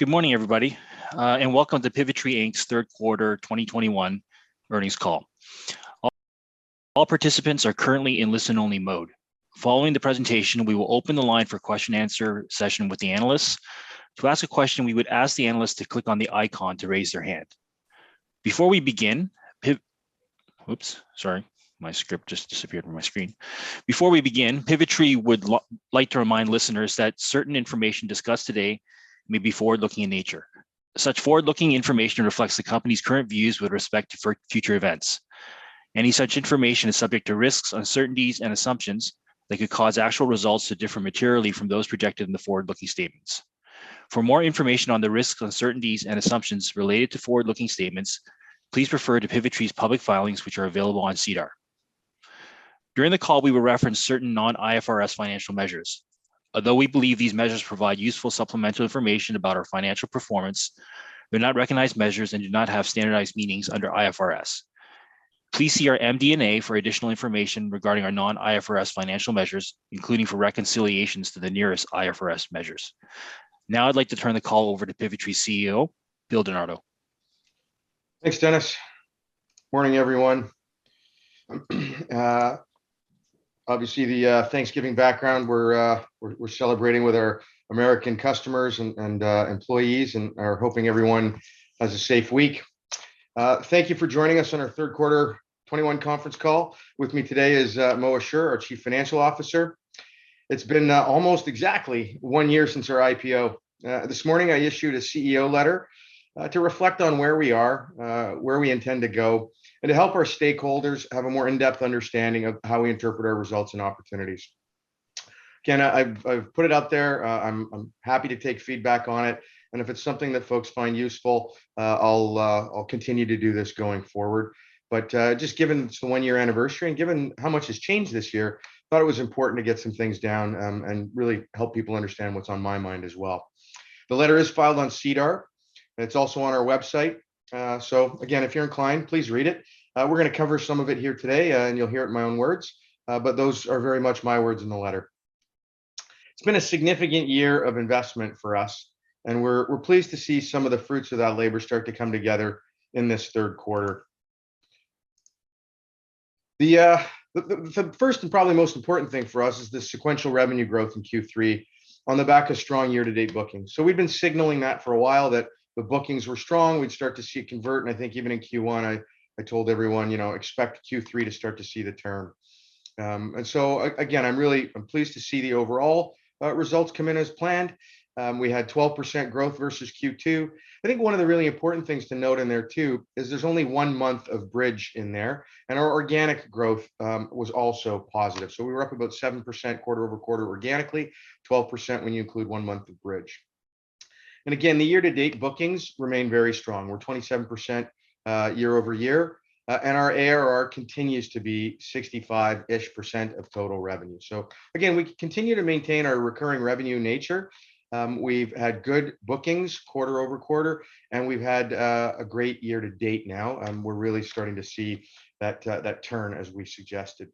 Good morning, everybody, and welcome to Pivotree Inc.'s third quarter 2021 earnings call. All participants are currently in listen-only mode. Following the presentation, we will open the line for question answer session with the analysts. To ask a question, we would ask the analyst to click on the icon to raise their hand. Before we begin, Oops, sorry. My script just disappeared from my screen. Before we begin, Pivotree would like to remind listeners that certain information discussed today may be forward-looking in nature. Such forward-looking information reflects the company's current views with respect to future events. Any such information is subject to risks, uncertainties, and assumptions that could cause actual results to differ materially from those projected in the forward-looking statements. For more information on the risks, uncertainties, and assumptions related to forward-looking statements, please refer to Pivotree's public filings, which are available on SEDAR. During the call, we will reference certain non-IFRS financial measures. Although we believe these measures provide useful supplemental information about our financial performance, they're not recognized measures and do not have standardized meanings under IFRS. Please see our MD&A for additional information regarding our non-IFRS financial measures, including for reconciliations to the nearest IFRS measures. Now I'd like to turn the call over to Pivotree CEO, Bill Di Nardo. Thanks, Dennis. Morning, everyone. Obviously the Thanksgiving background, we're celebrating with our American customers and employees and are hoping everyone has a safe week. Thank you for joining us on our third quarter 2021 conference call. With me today is Moataz Ashoor, our Chief Financial Officer. It's been almost exactly one year since our IPO. This morning I issued a CEO letter to reflect on where we are, where we intend to go, and to help our stakeholders have a more in-depth understanding of how we interpret our results and opportunities. Again, I've put it out there, I'm happy to take feedback on it, and if it's something that folks find useful, I'll continue to do this going forward. Just given it's the one-year anniversary and given how much has changed this year, I thought it was important to get some things down, and really help people understand what's on my mind as well. The letter is filed on SEDAR, and it's also on our website. Again, if you're inclined, please read it. We're gonna cover some of it here today, and you'll hear it in my own words. Those are very much my words in the letter. It's been a significant year of investment for us, and we're pleased to see some of the fruits of that labor start to come together in this third quarter. The first and probably most important thing for us is the sequential revenue growth in Q3 on the back of strong year-to-date bookings. We've been signaling that for a while, that the bookings were strong, we'd start to see it convert. I think even in Q1 I told everyone, you know, expect Q3 to start to see the turn. Again, I'm really pleased to see the overall results come in as planned. We had 12% growth versus Q2. I think one of the really important things to note in there too is there's only one month of Bridge in there, and our organic growth was also positive. We were up about 7% quarter-over-quarter organically, 12% when you include one month of Bridge. Again, the year-to-date bookings remain very strong. We're 27% year-over-year, and our ARR continues to be 65-ish% of total revenue. Again, we continue to maintain our recurring revenue nature. We've had good bookings quarter-over-quarter, and we've had a great year-to-date now, and we're really starting to see that turn as we suggested.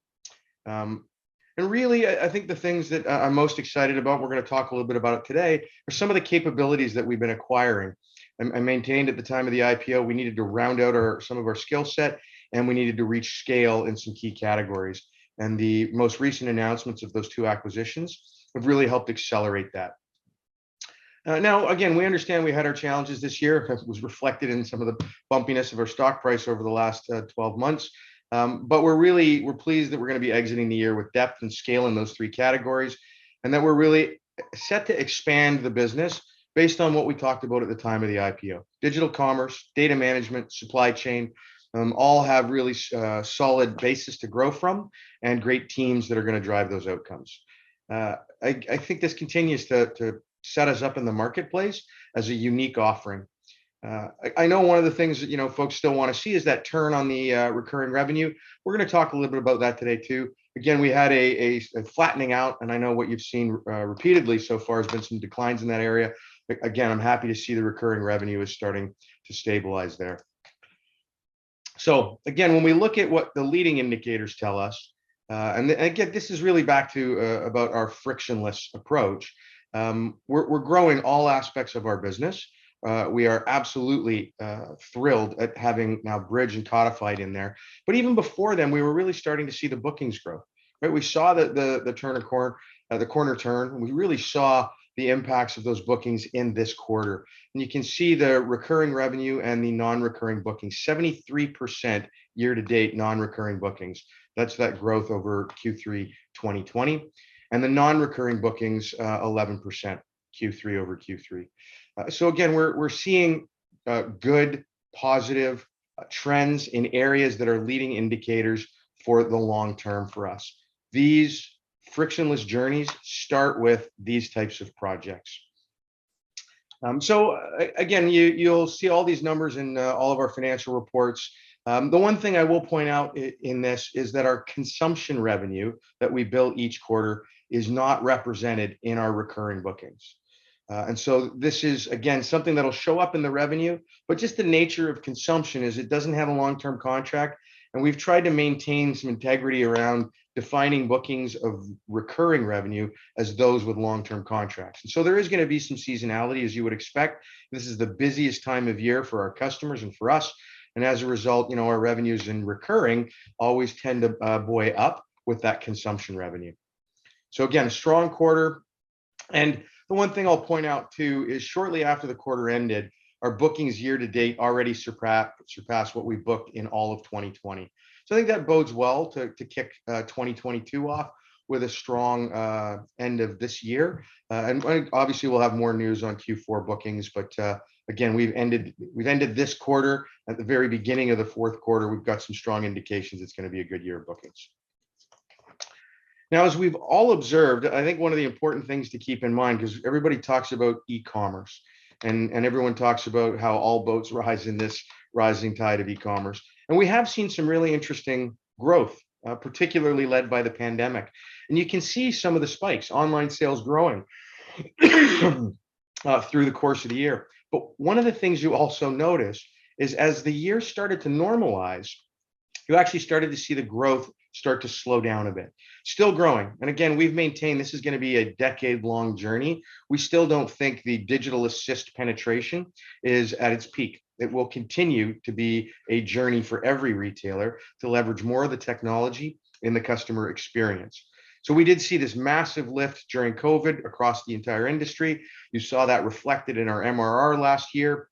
Really, I think the things that I'm most excited about, we're gonna talk a little bit about it today, are some of the capabilities that we've been acquiring. I maintained at the time of the IPO we needed to round out some of our skill set, and we needed to reach scale in some key categories. The most recent announcements of those two acquisitions have really helped accelerate that. Now again, we understand we had our challenges this year. It was reflected in some of the bumpiness of our stock price over the last 12 months. We're pleased that we're gonna be exiting the year with depth and scale in those three categories, and that we're really set to expand the business based on what we talked about at the time of the IPO. Digital commerce, data management, supply chain, all have really solid bases to grow from and great teams that are gonna drive those outcomes. I think this continues to set us up in the marketplace as a unique offering. I know one of the things that, you know, folks still wanna see is that turn on the recurring revenue. We're gonna talk a little bit about that today too. Again, we had a flattening out, and I know what you've seen repeatedly so far has been some declines in that area. Again, I'm happy to see the recurring revenue is starting to stabilize there. Again, when we look at what the leading indicators tell us, and again, this is really back to about our frictionless approach, we're growing all aspects of our business. We are absolutely thrilled at having now Bridge and Codifyd in there. Even before them, we were really starting to see the bookings grow, right? We saw the turn of the corner, and we really saw the impacts of those bookings in this quarter. You can see the recurring revenue and the non-recurring bookings, 73% year-to-date non-recurring bookings. That's the growth over Q3 2020. The non-recurring bookings, 11% Q3 over Q3. Again, we're seeing good, positive trends in areas that are leading indicators for the long term for us. These frictionless journeys start with these types of projects. Again, you'll see all these numbers in all of our financial reports. The one thing I will point out in this is that our consumption revenue that we bill each quarter is not represented in our recurring bookings. This is, again, something that'll show up in the revenue, but just the nature of consumption is it doesn't have a long-term contract. We've tried to maintain some integrity around defining bookings of recurring revenue as those with long-term contracts. There is gonna be some seasonality, as you would expect. This is the busiest time of year for our customers and for us, and as a result, you know, our revenues in recurring always tend to buoy up with that consumption revenue. Again, a strong quarter. The one thing I'll point out, too, is shortly after the quarter ended, our bookings year-to-date already surpassed what we booked in all of 2020. I think that bodes well to kick 2022 off with a strong end of this year. Obviously we'll have more news on Q4 bookings, but again, we've ended this quarter at the very beginning of the fourth quarter. We've got some strong indications it's gonna be a good year of bookings. Now, as we've all observed, I think one of the important things to keep in mind, because everybody talks about e-commerce and everyone talks about how all boats rise in this rising tide of e-commerce, and we have seen some really interesting growth, particularly led by the pandemic. You can see some of the spikes, online sales growing through the course of the year. One of the things you also notice is as the year started to normalize, you actually started to see the growth start to slow down a bit. Still growing, again, we've maintained this is gonna be a decade-long journey. We still don't think the digital assist penetration is at its peak. It will continue to be a journey for every retailer to leverage more of the technology in the customer experience. We did see this massive lift during COVID across the entire industry. You saw that reflected in our MRR last year.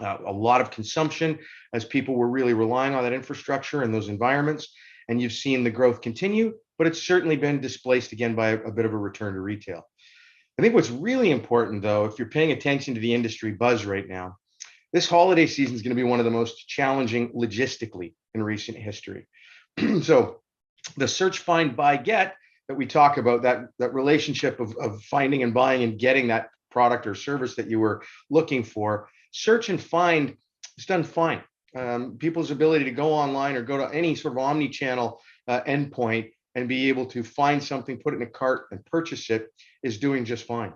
A lot of consumption as people were really relying on that infrastructure and those environments, and you've seen the growth continue, but it's certainly been displaced again by a bit of a return to retail. I think what's really important though, if you're paying attention to the industry buzz right now, this holiday season is gonna be one of the most challenging logistically in recent history. The search, find, buy, get that we talk about, that relationship of finding and buying and getting that product or service that you were looking for, search and find is done fine. People's ability to go online or go to any sort of omni-channel endpoint and be able to find something, put it in a cart, and purchase it is doing just fine.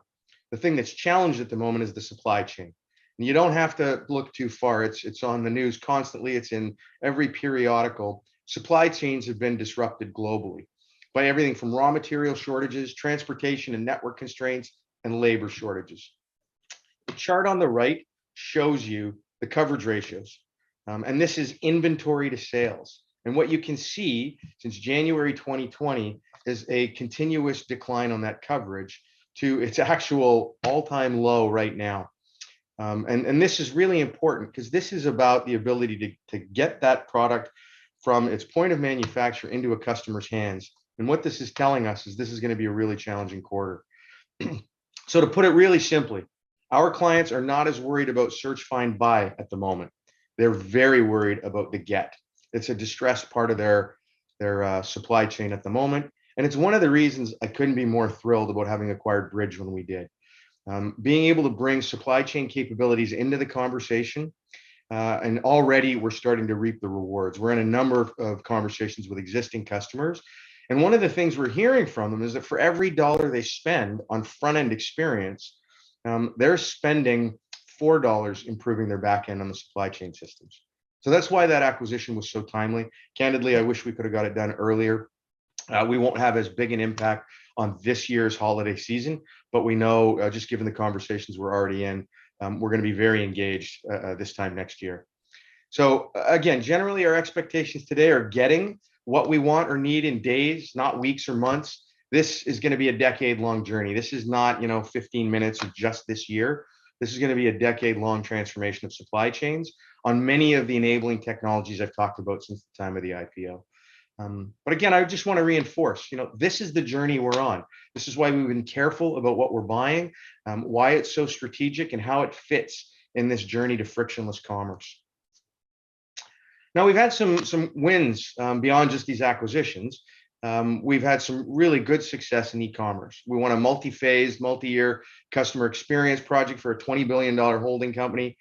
The thing that's challenged at the moment is the supply chain. You don't have to look too far. It's on the news constantly. It's in every periodical. Supply chains have been disrupted globally by everything from raw material shortages, transportation and network constraints, and labor shortages. The chart on the right shows you the coverage ratios, and this is inventory to sales. What you can see since January 2020 is a continuous decline on that coverage to its actual all-time low right now. This is really important because this is about the ability to get that product from its point of manufacture into a customer's hands. What this is telling us is this is gonna be a really challenging quarter. To put it really simply, our clients are not as worried about search, find, buy at the moment. They're very worried about the get. It's a distressed part of their supply chain at the moment, and it's one of the reasons I couldn't be more thrilled about having acquired Bridge when we did. Being able to bring supply chain capabilities into the conversation, and already we're starting to reap the rewards. We're in a number of conversations with existing customers, and one of the things we're hearing from them is that for every dollar they spend on front-end experience, they're spending four dollars improving their back end on the supply chain systems. That's why that acquisition was so timely. Candidly, I wish we could have got it done earlier. We won't have as big an impact on this year's holiday season, but we know, just given the conversations we're already in, we're gonna be very engaged, this time next year. Again, generally, our expectations today are getting what we want or need in days, not weeks or months. This is gonna be a decade-long journey. This is not, you know, 15 minutes or just this year. This is gonna be a decade-long transformation of supply chains on many of the enabling technologies I've talked about since the time of the IPO. But again, I just wanna reinforce, you know, this is the journey we're on. This is why we've been careful about what we're buying, why it's so strategic, and how it fits in this journey to frictionless commerce. Now, we've had some wins beyond just these acquisitions. We've had some really good success in e-commerce. We won a multi-phase, multi-year customer experience project for a $20 billion holding company.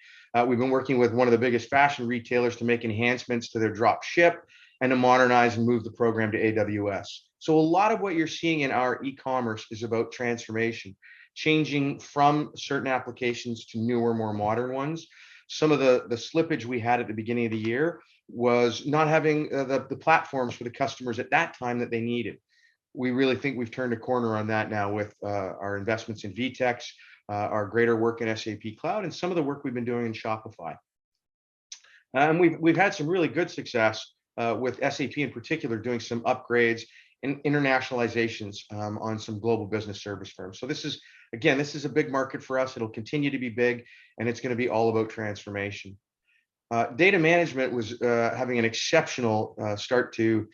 We've been working with one of the biggest fashion retailers to make enhancements to their drop ship and to modernize and move the program to AWS. A lot of what you're seeing in our e-commerce is about transformation, changing from certain applications to newer, more modern ones. Some of the slippage we had at the beginning of the year was not having the platforms for the customers at that time that they needed. We really think we've turned a corner on that now with our investments in VTEX, our greater work in SAP Cloud, and some of the work we've been doing in Shopify. We've had some really good success with SAP in particular, doing some upgrades and internationalizations on some global business service firms. This is, again, a big market for us. It'll continue to be big, and it's gonna be all about transformation. Data management was having an exceptional start to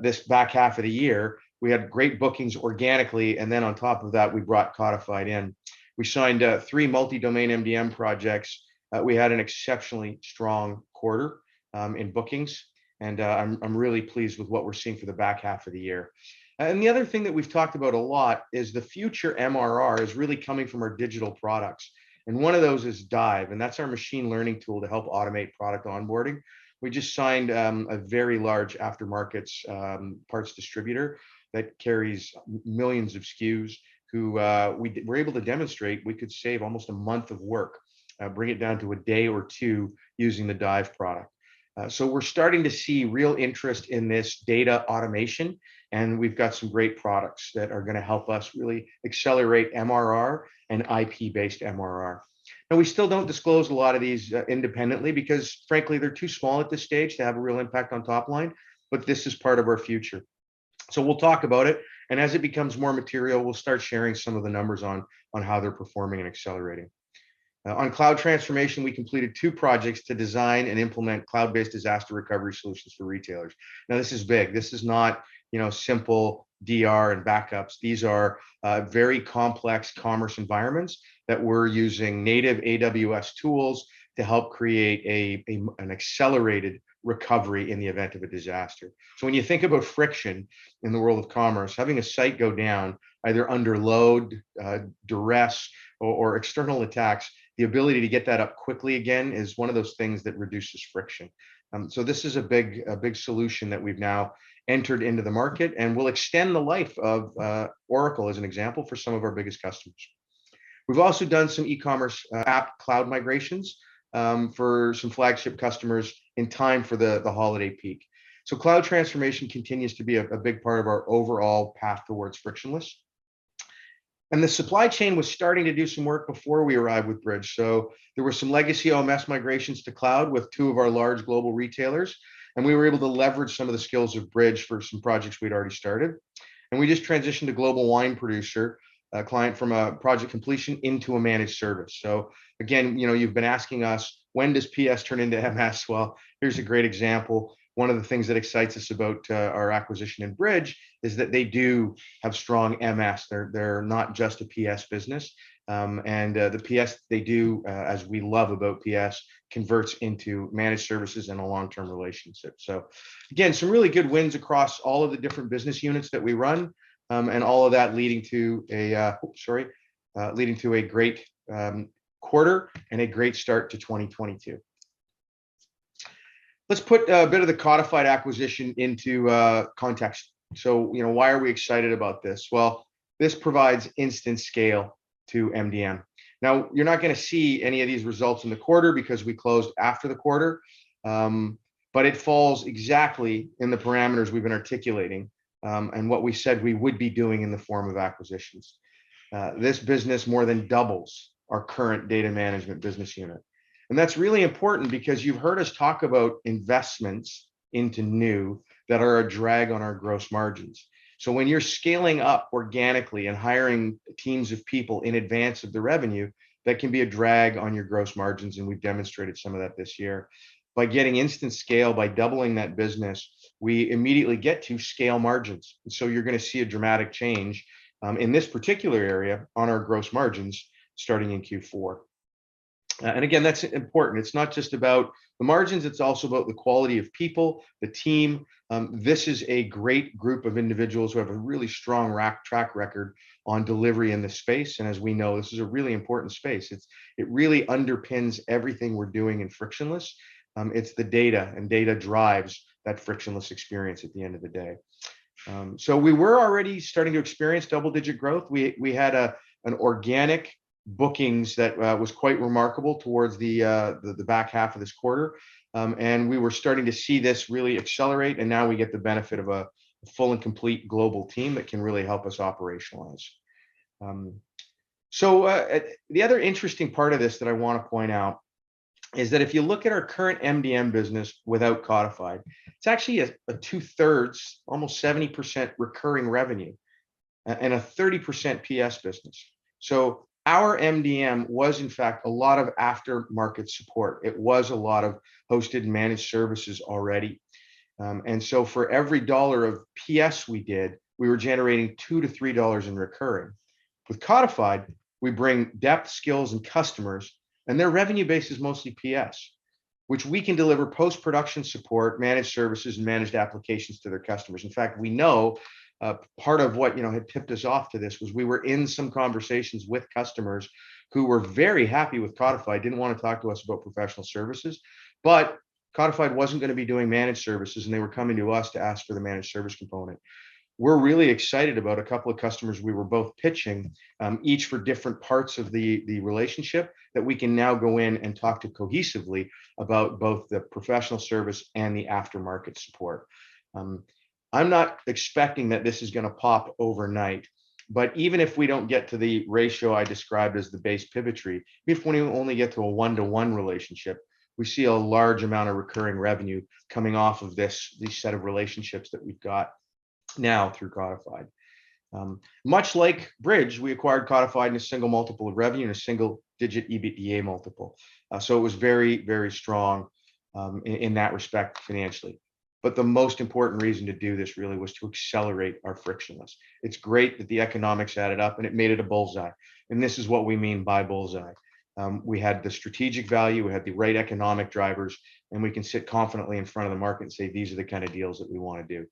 this back half of the year. We had great bookings organically, and then on top of that, we brought Codifyd in. We signed three multi-domain MDM projects. We had an exceptionally strong quarter in bookings, and I'm really pleased with what we're seeing for the back half of the year. The other thing that we've talked about a lot is the future MRR is really coming from our digital products. One of those is DIVE, and that's our machine learning tool to help automate product onboarding. We just signed a very large aftermarkets parts distributor that carries millions of SKUs who we're able to demonstrate we could save almost a month of work, bring it down to a day or two using the DIVE product. We're starting to see real interest in this data automation, and we've got some great products that are gonna help us really accelerate MRR and IP-based MRR. Now, we still don't disclose a lot of these independently because frankly, they're too small at this stage to have a real impact on top line, but this is part of our future. We'll talk about it, and as it becomes more material, we'll start sharing some of the numbers on how they're performing and accelerating. On cloud transformation, we completed two projects to design and implement cloud-based disaster recovery solutions for retailers. Now, this is big. This is not, you know, simple DR and backups. These are very complex commerce environments that we're using native AWS tools to help create an accelerated recovery in the event of a disaster. When you think about friction in the world of commerce, having a site go down either under load, duress, or external attacks, the ability to get that up quickly again is one of those things that reduces friction. This is a big solution that we've now entered into the market and will extend the life of Oracle as an example for some of our biggest customers. We've also done some e-commerce app cloud migrations for some flagship customers in time for the holiday peak. Cloud transformation continues to be a big part of our overall path towards frictionless. The supply chain was starting to do some work before we arrived with Bridge. There were some legacy OMS migrations to cloud with two of our large global retailers, and we were able to leverage some of the skills of Bridge for some projects we'd already started. We just transitioned a global wine producer, a client from a project completion into a managed service. Again, you know, you've been asking us, "When does PS turn into MS?" Well, here's a great example. One of the things that excites us about our acquisition of Bridge is that they do have strong MS. They're not just a PS business. The PS they do, as we love about PS, converts into managed services in a long-term relationship. Again, some really good wins across all of the different business units that we run, and all of that leading to a great quarter and a great start to 2022. Let's put a bit of the Codifyd acquisition into context. You know, why are we excited about this? Well, this provides instant scale to MDM. Now, you're not gonna see any of these results in the quarter because we closed after the quarter, but it falls exactly in the parameters we've been articulating, and what we said we would be doing in the form of acquisitions. This business more than doubles our current data management business unit, and that's really important because you've heard us talk about investments into new that are a drag on our gross margins. When you're scaling up organically and hiring teams of people in advance of the revenue, that can be a drag on your gross margins, and we've demonstrated some of that this year. By getting instant scale, by doubling that business, we immediately get to scale margins. You're gonna see a dramatic change in this particular area on our gross margins starting in Q4. Again, that's important. It's not just about the margins, it's also about the quality of people, the team. This is a great group of individuals who have a really strong track record on delivery in this space, and as we know, this is a really important space. It really underpins everything we're doing in frictionless. It's the data, and data drives that frictionless experience at the end of the day. We were already starting to experience double-digit growth. We had an organic bookings that was quite remarkable towards the back half of this quarter. We were starting to see this really accelerate, now we get the benefit of a full and complete global team that can really help us operationalize. The other interesting part of this that I wanna point out is that if you look at our current MDM business without Codifyd, it's actually a two-thirds, almost 70% recurring revenue and a 30% PS business. Our MDM was, in fact, a lot of after-market support. It was a lot of hosted and managed services already. For every CAD 1 of PS we did, we were generating 2-3 dollars in recurring. With Codifyd, we bring depth, skills, and customers, and their revenue base is mostly PS, which we can deliver post-production support, managed services, and managed applications to their customers. In fact, we know, part of what, you know, had tipped us off to this was we were in some conversations with customers who were very happy with Codifyd, didn't wanna talk to us about professional services, but Codifyd wasn't gonna be doing managed services, and they were coming to us to ask for the managed service component. We're really excited about a couple of customers we were both pitching, each for different parts of the relationship that we can now go in and talk to cohesively about both the professional service and the after-market support. I'm not expecting that this is gonna pop overnight, but even if we don't get to the ratio I described as the base Pivotree, even if we only get to a one-to-one relationship, we see a large amount of recurring revenue coming off of this, these set of relationships that we've got now through Codifyd. Much like Bridge, we acquired Codifyd in a single multiple of revenue and a single-digit EBITDA multiple. It was very strong in that respect financially. The most important reason to do this really was to accelerate our frictionless. It's great that the economics added up, and it made it a bullseye, and this is what we mean by bullseye. We had the strategic value, we had the right economic drivers, and we can sit confidently in front of the market and say, "These are the kind of deals that we wanna do."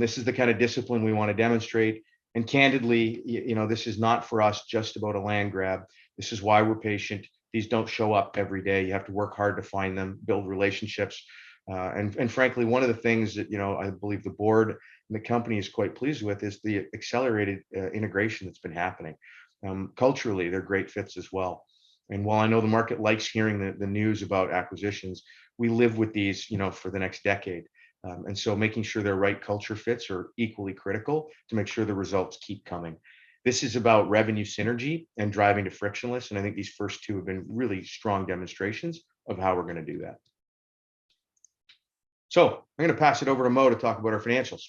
This is the kind of discipline we wanna demonstrate, and candidly, you know, this is not for us just about a land grab. This is why we're patient. These don't show up every day. You have to work hard to find them, build relationships. Frankly, one of the things that, you know, I believe the board and the company is quite pleased with is the accelerated integration that's been happening. Culturally, they're great fits as well. While I know the market likes hearing the news about acquisitions, we live with these, you know, for the next decade. Making sure they're right culture fits are equally critical to make sure the results keep coming. This is about revenue synergy and driving to frictionless, and I think these first two have been really strong demonstrations of how we're gonna do that. I'm gonna pass it over to Mo to talk about our financials.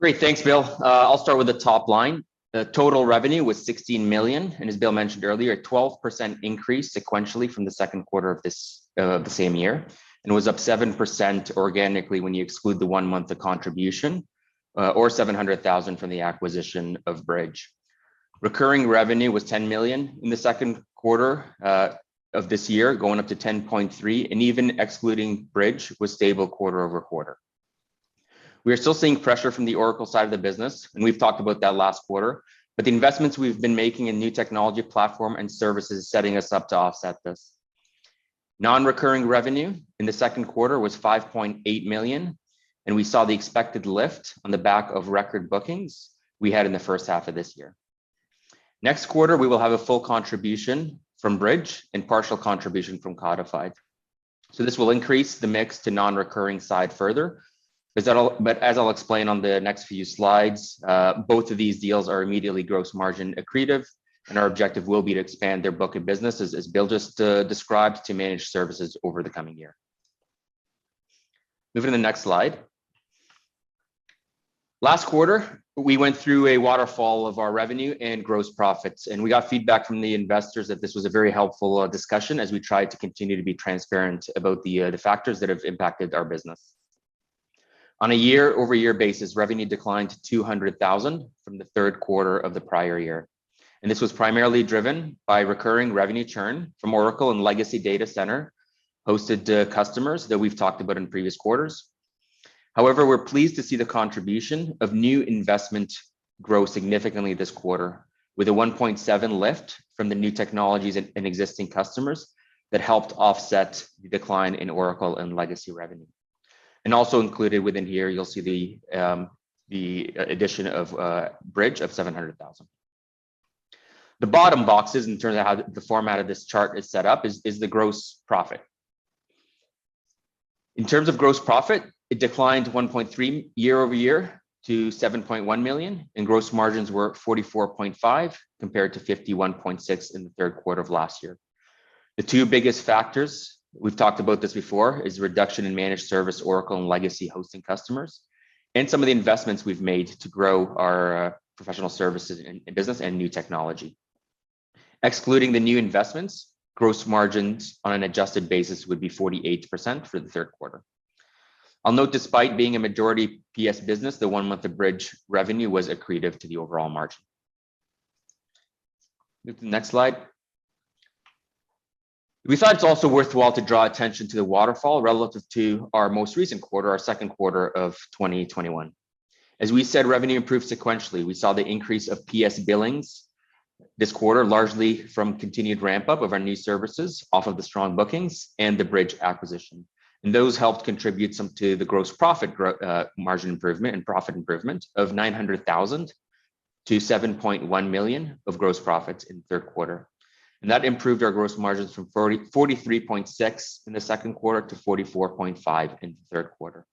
Great. Thanks, Bill. I'll start with the top line. The total revenue was 16 million, and as Bill mentioned earlier, a 12% increase sequentially from the second quarter of this, the same year, was up 7% organically when you exclude the one month of contribution, or 700,000 from the acquisition of Bridge. Recurring revenue was 10 million in the second quarter of this year, going up to 10.3 million, and even excluding Bridge was stable quarter-over-quarter. We are still seeing pressure from the Oracle side of the business, and we've talked about that last quarter, but the investments we've been making in new technology platform and services is setting us up to offset this. Non-recurring revenue in the second quarter was 5.8 million, and we saw the expected lift on the back of record bookings we had in the first half of this year. Next quarter, we will have a full contribution from Bridge and partial contribution from Codifyd. This will increase the mix to non-recurring side further. As I'll explain on the next few slides, both of these deals are immediately gross margin accretive, and our objective will be to expand their book of business, as Bill just described to managed services over the coming year. Moving to the next slide. Last quarter, we went through a waterfall of our revenue and gross profits, and we got feedback from the investors that this was a very helpful discussion as we try to continue to be transparent about the factors that have impacted our business. On a year-over-year basis, revenue declined 200,000 from the third quarter of the prior year. This was primarily driven by recurring revenue churn from Oracle and legacy data center hosted customers that we've talked about in previous quarters. However, we're pleased to see the contribution of new investment grow significantly this quarter with a 1.7 million lift from the new technologies and existing customers that helped offset the decline in Oracle and legacy revenue. Also included within here, you'll see the addition of Bridge of 700,000. The bottom boxes, in terms of how the format of this chart is set up, is the gross profit. In terms of gross profit, it declined 1.3% year-over-year to 7.1 million, and gross margins were 44.5%, compared to 51.6% in the third quarter of last year. The two biggest factors, we've talked about this before, is reduction in managed service Oracle and legacy hosting customers, and some of the investments we've made to grow our professional services in business and new technology. Excluding the new investments, gross margins on an adjusted basis would be 48% for the third quarter. I'll note despite being a majority PS business, the one month of Bridge revenue was accretive to the overall margin. Move to the next slide. We thought it's also worthwhile to draw attention to the waterfall relative to our most recent quarter, our second quarter of 2021. As we said, revenue improved sequentially. We saw the increase of PS billings this quarter, largely from continued ramp-up of our new services off of the strong bookings and the Bridge acquisition. Those helped contribute some to the gross profit margin improvement and profit improvement of 900,000 to 7.1 million of gross profits in third quarter. That improved our gross margins from 43.6% in the second quarter to 44.5% in the third quarter.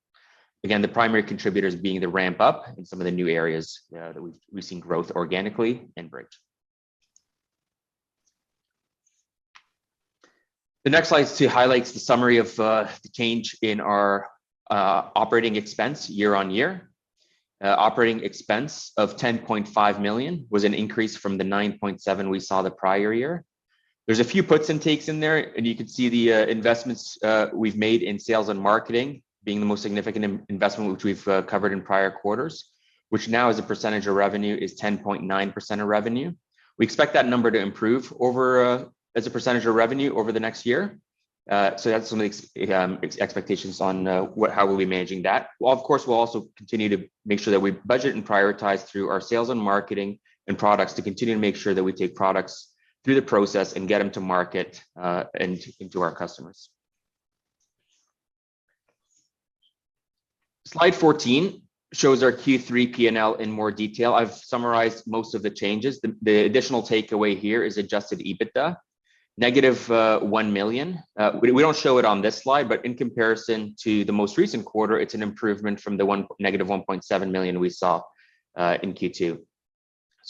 Again, the primary contributors being the ramp-up in some of the new areas that we've seen growth organically in Bridge. The next slide highlights the summary of the change in our operating expense year-on-year. Operating expense of 10.5 million was an increase from the 9.7 million we saw the prior year. There's a few puts and takes in there, and you can see the investments we've made in sales and marketing being the most significant investment, which we've covered in prior quarters, which now as a percentage of revenue is 10.9% of revenue. We expect that number to improve over as a percentage of revenue over the next year. That's some expectations on how we'll be managing that. Well, of course, we'll also continue to make sure that we budget and prioritize through our sales and marketing and products to continue to make sure that we take products through the process and get them to market and to our customers. Slide 14 shows our Q3 P&L in more detail. I've summarized most of the changes. The additional takeaway here is adjusted EBITDA -1 million. We don't show it on this slide, but in comparison to the most recent quarter, it's an improvement from -1.7 million we saw in Q2.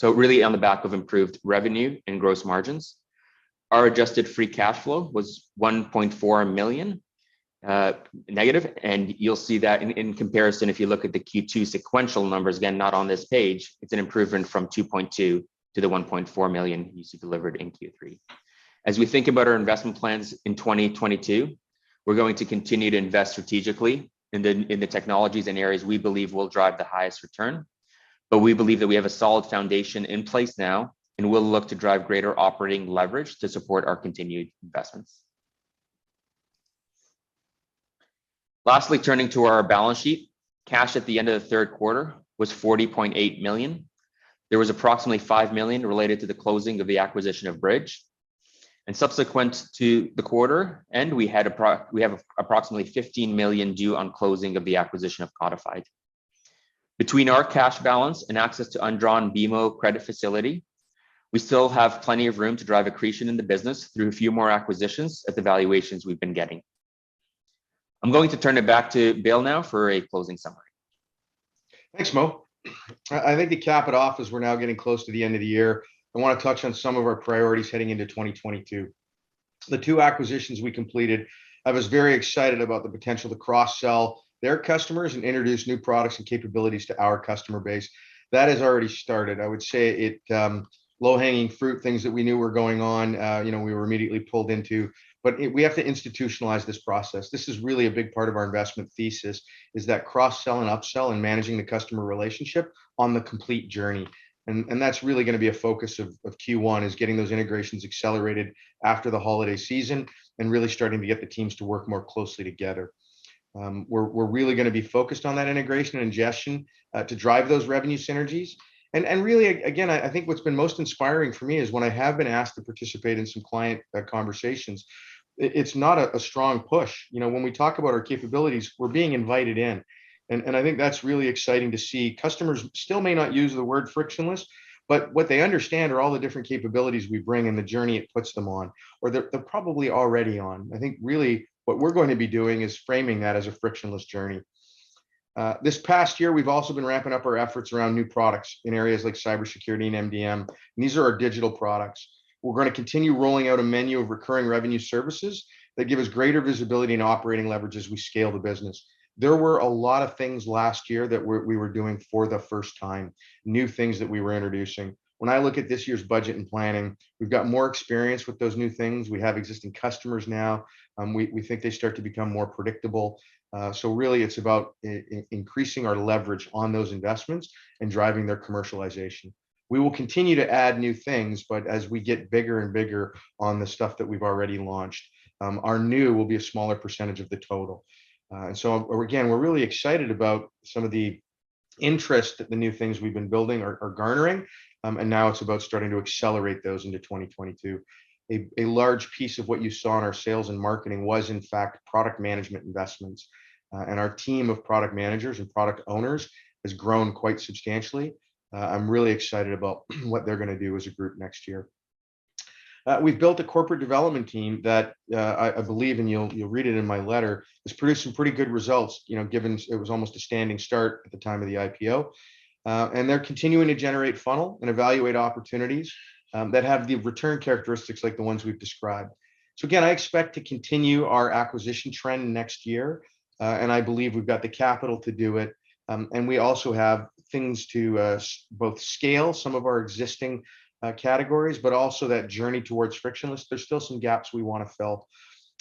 Really on the back of improved revenue and gross margins. Our adjusted free cash flow was -1.4 million, and you'll see that in comparison if you look at the Q2 sequential numbers, again, not on this page, it's an improvement from 2.2 million to the 1.4 million you see delivered in Q3. As we think about our investment plans in 2022, we're going to continue to invest strategically in the technologies and areas we believe will drive the highest return. We believe that we have a solid foundation in place now, and we'll look to drive greater operating leverage to support our continued investments. Lastly, turning to our balance sheet, cash at the end of the third quarter was 40.8 million. There was approximately 5 million related to the closing of the acquisition of Bridge. Subsequent to the quarter, we have approximately 15 million due on closing of the acquisition of Codifyd. Between our cash balance and access to undrawn BMO credit facility, we still have plenty of room to drive accretion in the business through a few more acquisitions at the valuations we've been getting. I'm going to turn it back to Bill now for a closing summary. Thanks, Mo. I think to cap it off as we're now getting close to the end of the year, I wanna touch on some of our priorities heading into 2022. The two acquisitions we completed, I was very excited about the potential to cross-sell their customers and introduce new products and capabilities to our customer base. That has already started. I would say it, low-hanging fruit, things that we knew were going on, you know, we were immediately pulled into. We have to institutionalize this process. This is really a big part of our investment thesis, is that cross-sell and up-sell and managing the customer relationship on the complete journey. That's really gonna be a focus of Q1, is getting those integrations accelerated after the holiday season, and really starting to get the teams to work more closely together. We're really gonna be focused on that integration ingestion to drive those revenue synergies. Really, again, I think what's been most inspiring for me is when I have been asked to participate in some client conversations, it's not a strong push. You know, when we talk about our capabilities, we're being invited in. I think that's really exciting to see. Customers still may not use the word frictionless, but what they understand are all the different capabilities we bring and the journey it puts them on, or they're probably already on. I think really what we're going to be doing is framing that as a frictionless journey. This past year we've also been ramping up our efforts around new products in areas like cybersecurity and MDM. These are our digital products. We're gonna continue rolling out a menu of recurring revenue services that give us greater visibility and operating leverage as we scale the business. There were a lot of things last year that we were doing for the first time, new things that we were introducing. When I look at this year's budget and planning, we've got more experience with those new things. We have existing customers now. We think they start to become more predictable. Really it's about increasing our leverage on those investments and driving their commercialization. We will continue to add new things, but as we get bigger and bigger on the stuff that we've already launched, our new will be a smaller percentage of the total. Again, we're really excited about some of the interest that the new things we've been building are garnering, and now it's about starting to accelerate those into 2022. A large piece of what you saw in our sales and marketing was, in fact, product management investments. I'm really excited about what they're gonna do as a group next year. We've built a corporate development team that I believe, and you'll read it in my letter, has produced some pretty good results, you know, given it was almost a standing start at the time of the IPO. They're continuing to generate funnel and evaluate opportunities that have the return characteristics like the ones we've described. Again, I expect to continue our acquisition trend next year, and I believe we've got the capital to do it. We also have things to both scale some of our existing categories, but also that journey towards frictionless. There's still some gaps we wanna fill.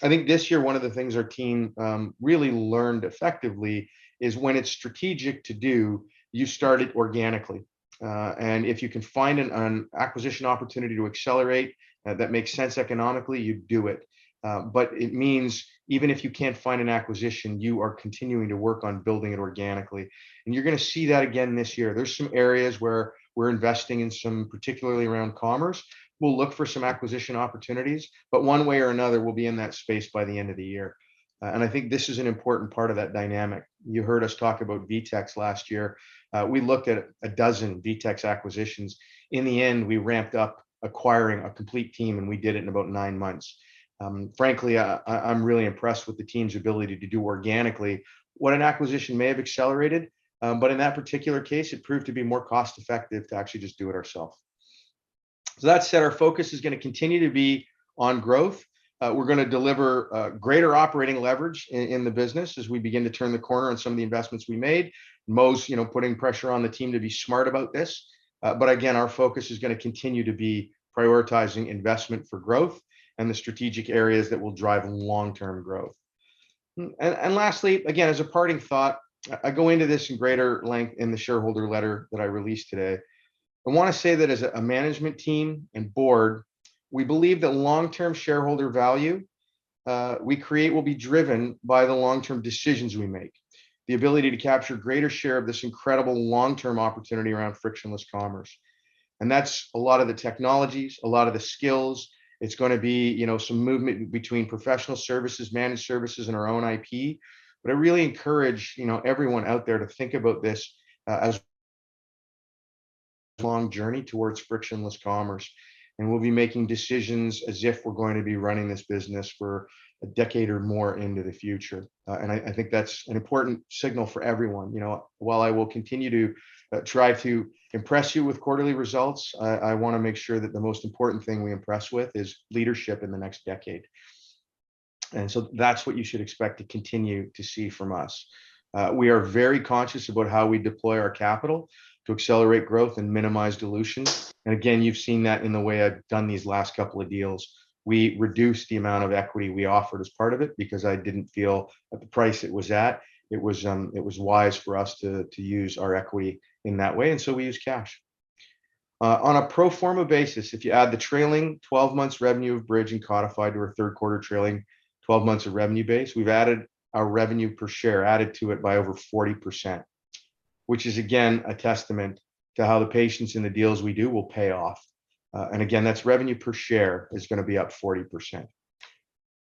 I think this year one of the things our team really learned effectively is when it's strategic to do, you start it organically. If you can find an acquisition opportunity to accelerate, that makes sense economically, you do it. It means even if you can't find an acquisition, you are continuing to work on building it organically, and you're gonna see that again this year. There's some areas where we're investing in some, particularly around commerce. We'll look for some acquisition opportunities, but one way or another, we'll be in that space by the end of the year. I think this is an important part of that dynamic. You heard us talk about VTEX last year. We looked at a dozen VTEX acquisitions. In the end, we ramped up acquiring a complete team, and we did it in about nine months. Frankly, I'm really impressed with the team's ability to do organically what an acquisition may have accelerated, but in that particular case, it proved to be more cost-effective to actually just do it ourselves. That said, our focus is gonna continue to be on growth. We're gonna deliver greater operating leverage in the business as we begin to turn the corner on some of the investments we made. Most, you know, putting pressure on the team to be smart about this. Again, our focus is gonna continue to be prioritizing investment for growth and the strategic areas that will drive long-term growth. Lastly, again, as a parting thought, I go into this in greater length in the shareholder letter that I released today. I wanna say that as a management team and board, we believe that long-term shareholder value we create will be driven by the long-term decisions we make, the ability to capture greater share of this incredible long-term opportunity around frictionless commerce. That's a lot of the technologies, a lot of the skills. It's gonna be, you know, some movement between professional services, managed services, and our own IP. I really encourage, you know, everyone out there to think about this, as long journey towards frictionless commerce, and we'll be making decisions as if we're going to be running this business for a decade or more into the future. I think that's an important signal for everyone. You know, while I will continue to try to impress you with quarterly results, I wanna make sure that the most important thing we impress with is leadership in the next decade. That's what you should expect to continue to see from us. We are very conscious about how we deploy our capital to accelerate growth and minimize dilution. Again, you've seen that in the way I've done these last couple of deals. We reduced the amount of equity we offered as part of it, because I didn't feel at the price it was at, it was wise for us to use our equity in that way, and so we used cash. On a pro forma basis, if you add the trailing 12 months revenue of Bridge and Codifyd to our third quarter trailing 12 months of revenue base, we've added to our revenue per share by over 40%, which is again a testament to how the patience in the deals we do will pay off. Again, that's revenue per share is gonna be up 40%. I'm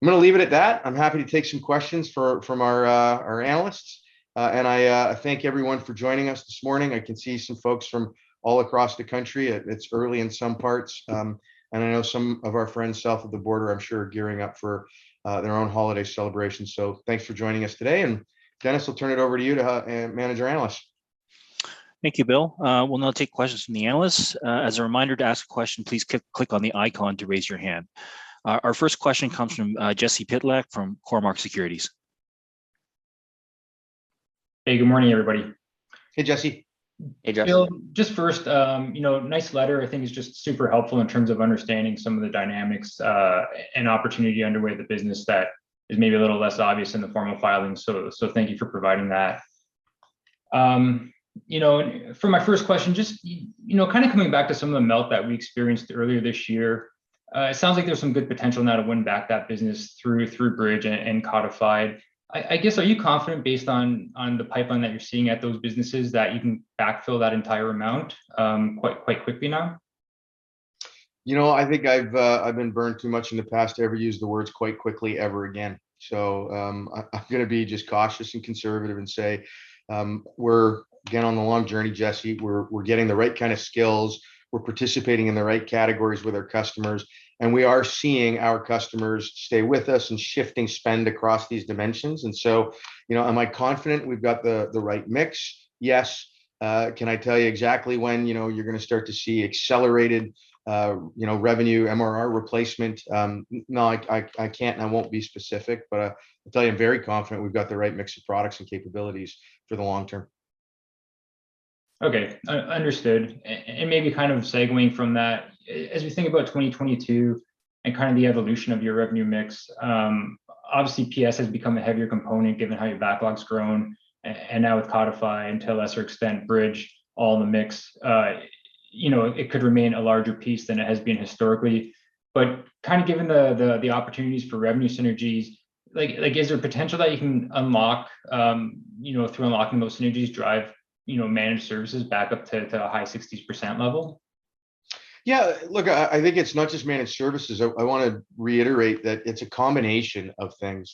gonna leave it at that. I'm happy to take some questions from our analysts, and I thank everyone for joining us this morning. I can see some folks from all across the country. It's early in some parts, and I know some of our friends south of the border I'm sure are gearing up for their own holiday celebrations. Thanks for joining us today. Dennis, I'll turn it over to you to manage our analysts. Thank you, Bill. We'll now take questions from the analysts. As a reminder, to ask a question, please click on the icon to raise your hand. Our first question comes from Jesse Pytlak from Cormark Securities. Hey, good morning, everybody. Hey, Jesse. Hey, Jesse. Bill, just first, you know, nice letter. I think it's just super helpful in terms of understanding some of the dynamics, and opportunity underway the business that is maybe a little less obvious in the formal filing, so thank you for providing that. You know, for my first question, just, you know, kind of coming back to some of the melt that we experienced earlier this year, it sounds like there's some good potential now to win back that business through Bridge and Codifyd. I guess, are you confident based on the pipeline that you're seeing at those businesses that you can backfill that entire amount, quite quickly now? You know, I think I've been burned too much in the past to ever use the words quite quickly ever again. I'm gonna be just cautious and conservative and say, we're again on the long journey, Jesse. We're getting the right kind of skills, we're participating in the right categories with our customers, and we are seeing our customers stay with us and shifting spend across these dimensions. You know, am I confident we've got the right mix? Yes. Can I tell you exactly when, you know, you're gonna start to see accelerated, you know, revenue MRR replacement? No, I can't and I won't be specific, but I'll tell you I'm very confident we've got the right mix of products and capabilities for the long term. Okay. Understood. Maybe kind of segueing from that, as we think about 2022 and kind of the evolution of your revenue mix, obviously PS has become a heavier component given how your backlog's grown, and now with Codifyd, to a lesser extent Bridge, all in the mix. You know, it could remain a larger piece than it has been historically. Kind of given the opportunities for revenue synergies, like, is there potential that you can unlock, you know, through unlocking those synergies, drive, you know, managed services back up to a high 60s% level? Yeah. Look, I think it's not just managed services. I wanna reiterate that it's a combination of things.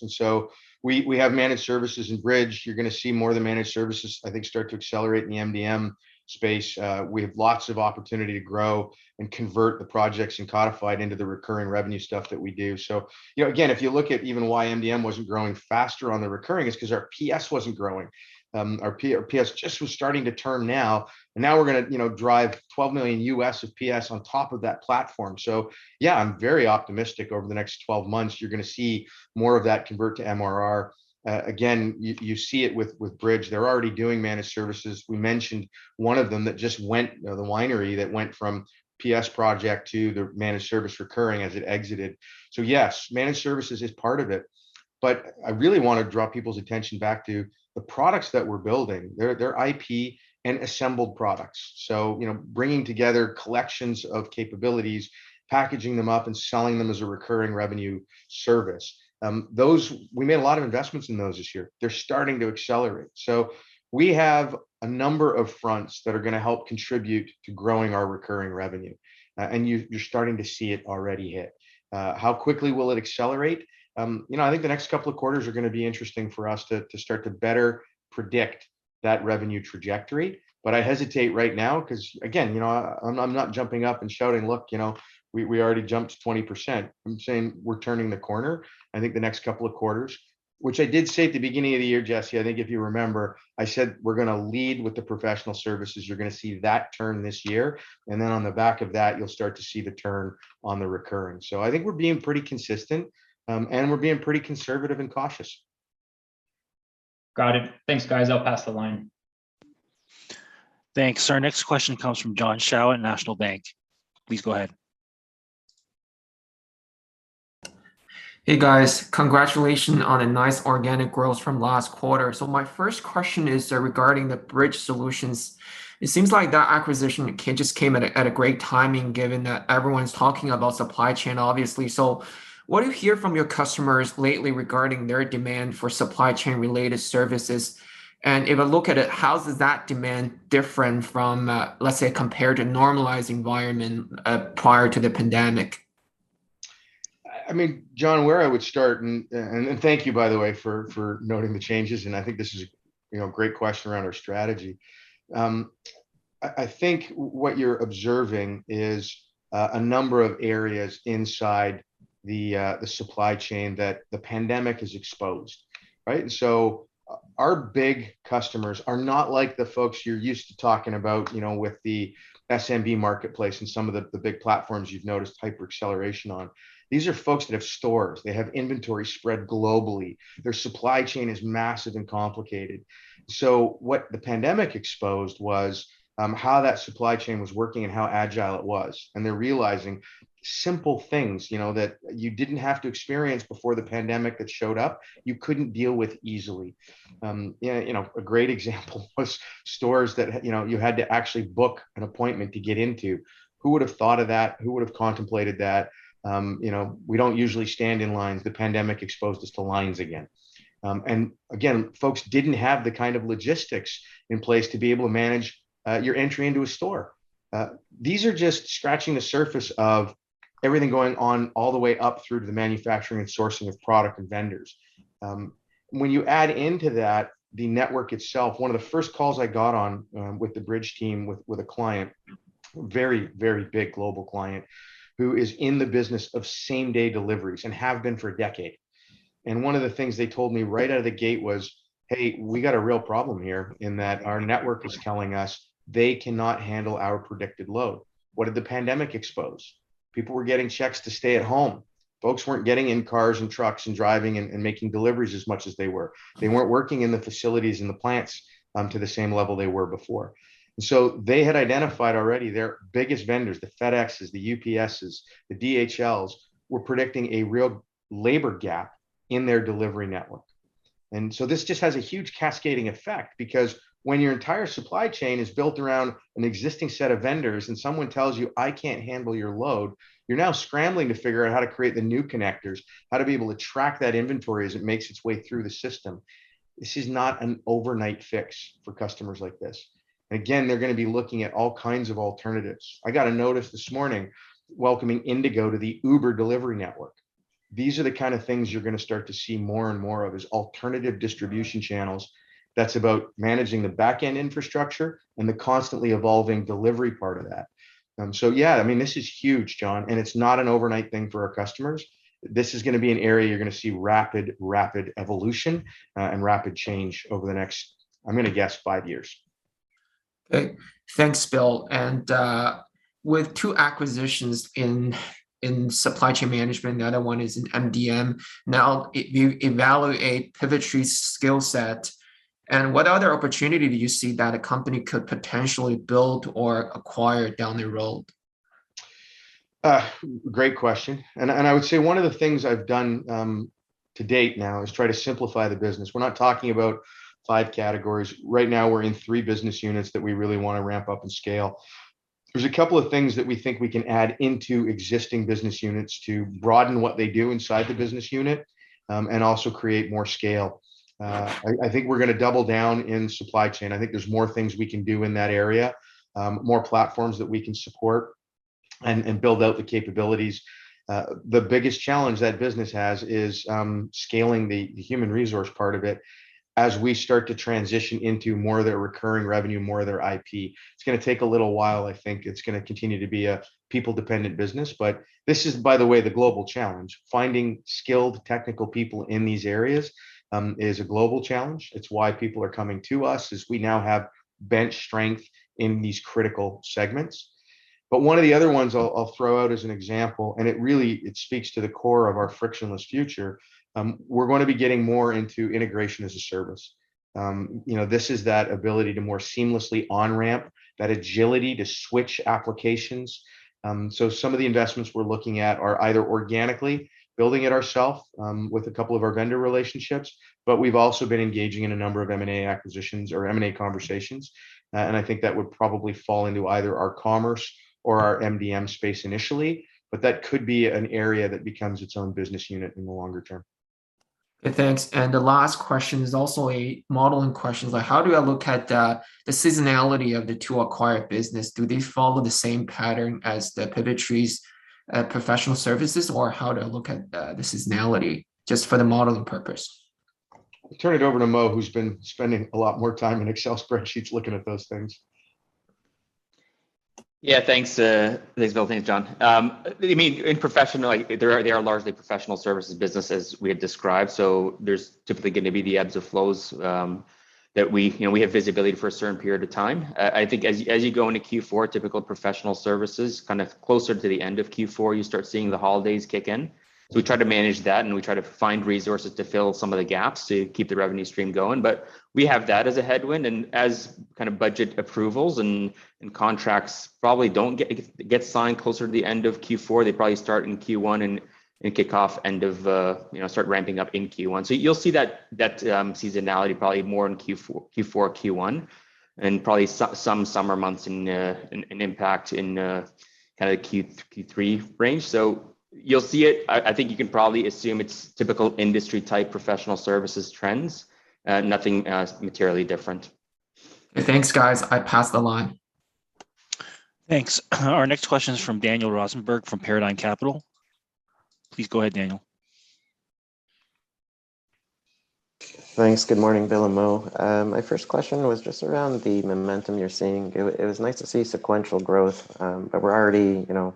We have managed services in Bridge. You're gonna see more of the managed services I think start to accelerate in the MDM space. We have lots of opportunity to grow and convert the projects in Codifyd into the recurring revenue stuff that we do. You know, again, if you look at even why MDM wasn't growing faster on the recurring, it's 'cause our PS wasn't growing. Our PS just was starting to turn now, and now we're gonna, you know, drive $12 million of PS on top of that platform. Yeah, I'm very optimistic over the next 12 months you're gonna see more of that convert to MRR. You see it with Bridge. They're already doing managed services. We mentioned one of them that just went. You know, the winery that went from PS project to the managed service recurring as it exited. Yes, managed service is part of it. But I really wanna draw people's attention back to the products that we're building. They're IP and assembled products. You know, bringing together collections of capabilities, packaging them up, and selling them as a recurring revenue service. Those, we made a lot of investments in those this year. They're starting to accelerate. We have a number of fronts that are gonna help contribute to growing our recurring revenue, and you're starting to see it already hit. How quickly will it accelerate? You know, I think the next couple of quarters are gonna be interesting for us to start to better predict that revenue trajectory, but I hesitate right now 'cause, again, you know, I'm not jumping up and shouting, "Look, you know, we already jumped 20%." I'm saying we're turning the corner. I think the next couple of quarters, which I did say at the beginning of the year, Jesse, I think if you remember, I said we're gonna lead with the professional services. You're gonna see that turn this year. And then on the back of that, you'll start to see the turn on the recurring. I think we're being pretty consistent, and we're being pretty conservative and cautious. Got it. Thanks, guys. I'll pass the line. Thanks. Our next question comes from John Shao at National Bank. Please go ahead. Hey, guys. Congratulations on a nice organic growth from last quarter. My first question is regarding the Bridge Solutions. It seems like that acquisition just came at a great timing given that everyone's talking about supply chain obviously. What do you hear from your customers lately regarding their demand for supply chain related services? And if I look at it, how does that demand different from, let's say compared to normalized environment prior to the pandemic? I mean, John, where I would start, and thank you by the way for noting the changes, and I think this is a great question around our strategy. I think what you're observing is a number of areas inside the supply chain that the pandemic has exposed, right? Our big customers are not like the folks you're used to talking about, you know, with the SMB marketplace and some of the big platforms you've noticed hyper-acceleration on. These are folks that have stores. They have inventory spread globally. Their supply chain is massive and complicated. What the pandemic exposed was how that supply chain was working and how agile it was, and they're realizing simple things, you know, that you didn't have to experience before the pandemic that showed up, you couldn't deal with easily. You know, a great example was stores that you had to actually book an appointment to get into. Who would've thought of that? Who would've contemplated that? You know, we don't usually stand in lines. The pandemic exposed us to lines again. Again, folks didn't have the kind of logistics in place to be able to manage your entry into a store. These are just scratching the surface of everything going on all the way up through to the manufacturing and sourcing of product and vendors. When you add into that the network itself, one of the first calls I got on with the Bridge team with a client, very, very big global client who is in the business of same-day deliveries and have been for a decade, and one of the things they told me right out of the gate was, "Hey, we got a real problem here in that our network is telling us they cannot handle our predicted load." What did the pandemic expose? People were getting checks to stay at home. Folks weren't getting in cars and trucks and driving and making deliveries as much as they were. They weren't working in the facilities and the plants to the same level they were before. They had identified already their biggest vendors, the FedExes, the UPSes, the DHLs, were predicting a real labor gap in their delivery network. This just has a huge cascading effect because when your entire supply chain is built around an existing set of vendors and someone tells you, "I can't handle your load," you're now scrambling to figure out how to create the new connectors, how to be able to track that inventory as it makes its way through the system. This is not an overnight fix for customers like this. Again, they're gonna be looking at all kinds of alternatives. I got a notice this morning welcoming Indigo to the Uber delivery network. These are the kind of things you're gonna start to see more and more of, is alternative distribution channels that's about managing the backend infrastructure and the constantly evolving delivery part of that. Yeah, I mean, this is huge, John, and it's not an overnight thing for our customers. This is gonna be an area you're gonna see rapid evolution and rapid change over the next, I'm gonna guess, five years. Okay. Thanks, Bill. With two acquisitions in supply chain management, the other one is in MDM. Now you evaluate Pivotree's skill set, and what other opportunity do you see that a company could potentially build or acquire down the road? Great question. I would say one of the things I've done, to date now is try to simplify the business. We're not talking about five categories. Right now, we're in three business units that we really wanna ramp up and scale. There's a couple of things that we think we can add into existing business units to broaden what they do inside the business unit, and also create more scale. I think we're gonna double down in supply chain. I think there's more things we can do in that area, more platforms that we can support and build out the capabilities. The biggest challenge that business has is scaling the human resource part of it as we start to transition into more of their recurring revenue, more of their IP. It's gonna take a little while. I think it's gonna continue to be a people-dependent business. This is, by the way, the global challenge. Finding skilled technical people in these areas is a global challenge. It's why people are coming to us, is we now have bench strength in these critical segments. One of the other ones I'll throw out as an example, and it really, it speaks to the core of our frictionless future, we're gonna be getting more into integration as a service. You know, this is that ability to more seamlessly on-ramp, that agility to switch applications. Some of the investments we're looking at are either organically building it ourself, with a couple of our vendor relationships, but we've also been engaging in a number of M&A acquisitions or M&A conversations. I think that would probably fall into either our commerce or our MDM space initially, but that could be an area that becomes its own business unit in the longer term. Okay, thanks. The last question is also a modeling question. Like, how do I look at the seasonality of the two acquired business? Do they follow the same pattern as the Pivotree's professional services? Or how to look at the seasonality, just for the modeling purpose? I'll turn it over to Mo, who's been spending a lot more time in Excel spreadsheets looking at those things. Yeah, thanks, Bill. Thanks, John. I mean, in professional, they are largely professional services businesses as we had described, so there's typically gonna be the ebbs or flows that we, you know, we have visibility for a certain period of time. I think as you go into Q4, typical professional services, kind of closer to the end of Q4, you start seeing the holidays kick in, so we try to manage that, and we try to find resources to fill some of the gaps to keep the revenue stream going. We have that as a headwind, and as kind of budget approvals and contracts probably don't get signed closer to the end of Q4, they probably start in Q1 and kick off end of, you know, start ramping up in Q1. You'll see that seasonality probably more in Q4, Q1, and probably some summer months in an impact in kind of Q3 range. You'll see it. I think you can probably assume it's typical industry type professional services trends. Nothing materially different. Thanks, guys. I pass the line. Thanks. Our next question is from Daniel Rosenberg from Paradigm Capital. Please go ahead, Daniel. Thanks. Good morning, Bill and Mo. My first question was just around the momentum you're seeing. It was nice to see sequential growth, but we're already, you know,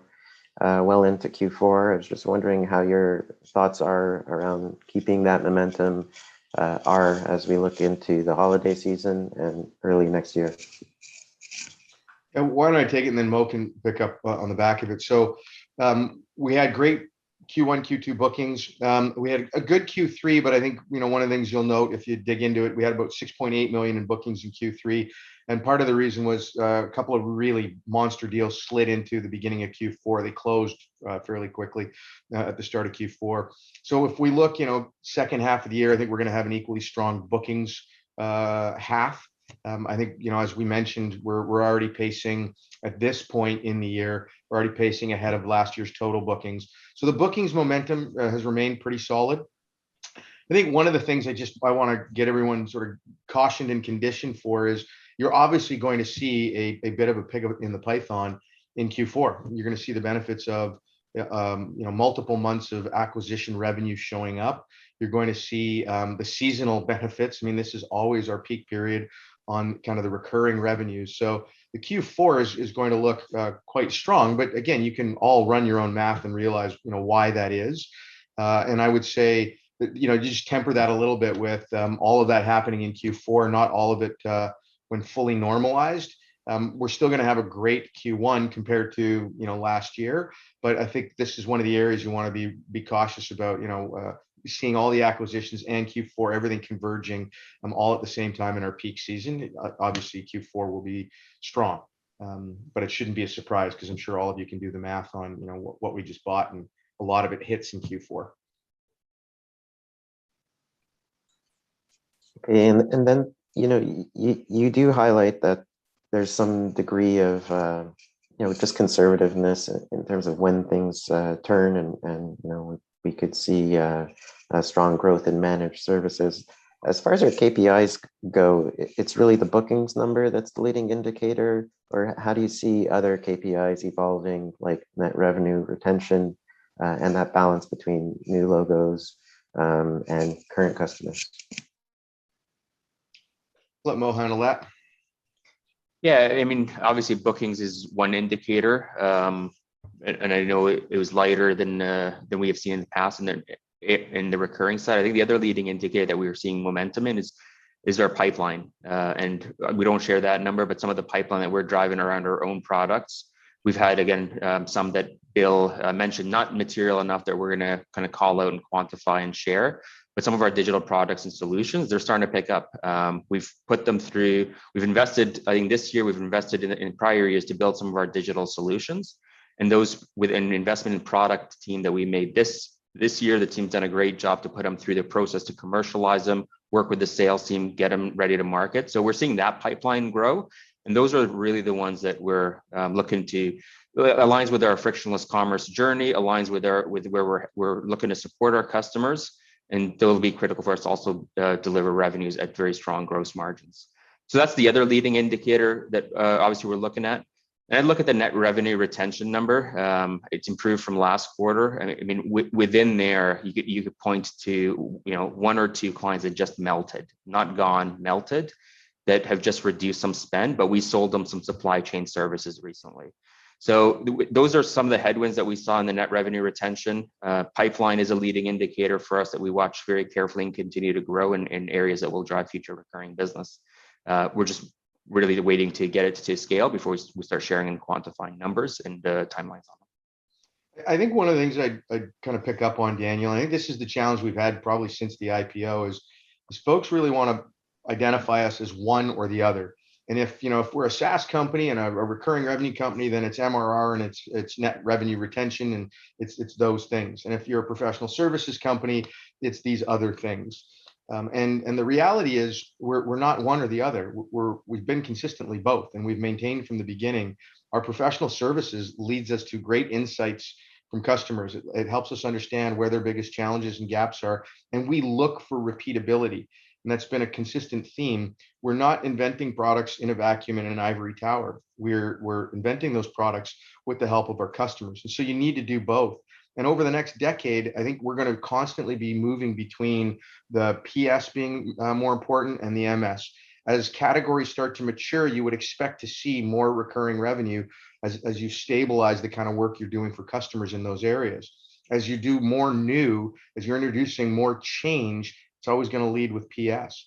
well into Q4. I was just wondering how your thoughts are around keeping that momentum as we look into the holiday season and early next year. Why don't I take it, and then Mo can pick up on the back of it. We had great Q1, Q2 bookings. We had a good Q3, but I think, you know, one of the things you'll note if you dig into it, we had about 6.8 million in bookings in Q3, and part of the reason was a couple of really monster deals slid into the beginning of Q4. They closed fairly quickly at the start of Q4. If we look, you know, second half of the year, I think we're gonna have an equally strong bookings half. I think, you know, as we mentioned, we're already pacing at this point in the year ahead of last year's total bookings. The bookings momentum has remained pretty solid. I think one of the things I just want to get everyone sort of cautioned and conditioned for is you're obviously going to see a bit of a pick up in the pipeline in Q4. You're gonna see the benefits of you know multiple months of acquisition revenue showing up. You're going to see the seasonal benefits. I mean this is always our peak period on kind of the recurring revenue. The Q4 is going to look quite strong, but again you can all run your own math and realize you know why that is. I would say that you know just temper that a little bit with all of that happening in Q4, not all of it when fully normalized. We're still gonna have a great Q1 compared to, you know, last year, but I think this is one of the areas you wanna be cautious about, you know, seeing all the acquisitions and Q4, everything converging, all at the same time in our peak season. Obviously, Q4 will be strong. It shouldn't be a surprise 'cause I'm sure all of you can do the math on, you know, what we just bought, and a lot of it hits in Q4. Okay. You know, you do highlight that there's some degree of you know, just conservativeness in terms of when things turn and you know, we could see strong growth in managed services. As far as our KPIs go, it's really the bookings number that's the leading indicator, or how do you see other KPIs evolving, like net revenue retention, and that balance between new logos and current customers? Let Mo handle that. Yeah, I mean, obviously bookings is one indicator, and I know it was lighter than we have seen in the past, and then in the recurring side. I think the other leading indicator that we are seeing momentum in is our pipeline. We don't share that number, but some of the pipeline that we're driving around our own products, we've had, again, some that Bill mentioned, not material enough that we're gonna kinda call out and quantify and share. But some of our digital products and solutions, they're starting to pick up. We've put them through. We've invested. I think this year and in prior years to build some of our digital solutions, and those investments in the product team that we made this year, the team's done a great job to put them through the process to commercialize them, work with the sales team, get them ready to market. We're seeing that pipeline grow, and those are really the ones that we're looking to. It aligns with our frictionless commerce journey, aligns with where we're looking to support our customers, and they'll be critical for us to also deliver revenues at very strong gross margins. That's the other leading indicator that obviously we're looking at. Look at the net revenue retention number. It's improved from last quarter, and I mean, within there, you could point to, you know, one or two clients that just melted. Not gone, melted, that have just reduced some spend, but we sold them some supply chain services recently. Those are some of the headwinds that we saw in the net revenue retention. Pipeline is a leading indicator for us that we watch very carefully and continue to grow in areas that will drive future recurring business. We're just really waiting to get it to scale before we start sharing and quantifying numbers and the timelines on them. I think one of the things I'd kinda pick up on, Daniel, is this challenge we've had probably since the IPO. Folks really wanna identify us as one or the other. If you know, if we're a SaaS company and a recurring revenue company, then it's MRR and it's net revenue retention, and it's those things. If you're a professional services company, it's these other things. The reality is we're not one or the other. We've been consistently both, and we've maintained from the beginning our professional services leads us to great insights from customers. It helps us understand where their biggest challenges and gaps are, and we look for repeatability, and that's been a consistent theme. We're not inventing products in a vacuum in an ivory tower. We're inventing those products with the help of our customers. You need to do both. Over the next decade, I think we're gonna constantly be moving between the PS being more important and the MS. As categories start to mature, you would expect to see more recurring revenue as you stabilize the kind of work you're doing for customers in those areas. As you do more new, as you're introducing more change, it's always gonna lead with PS.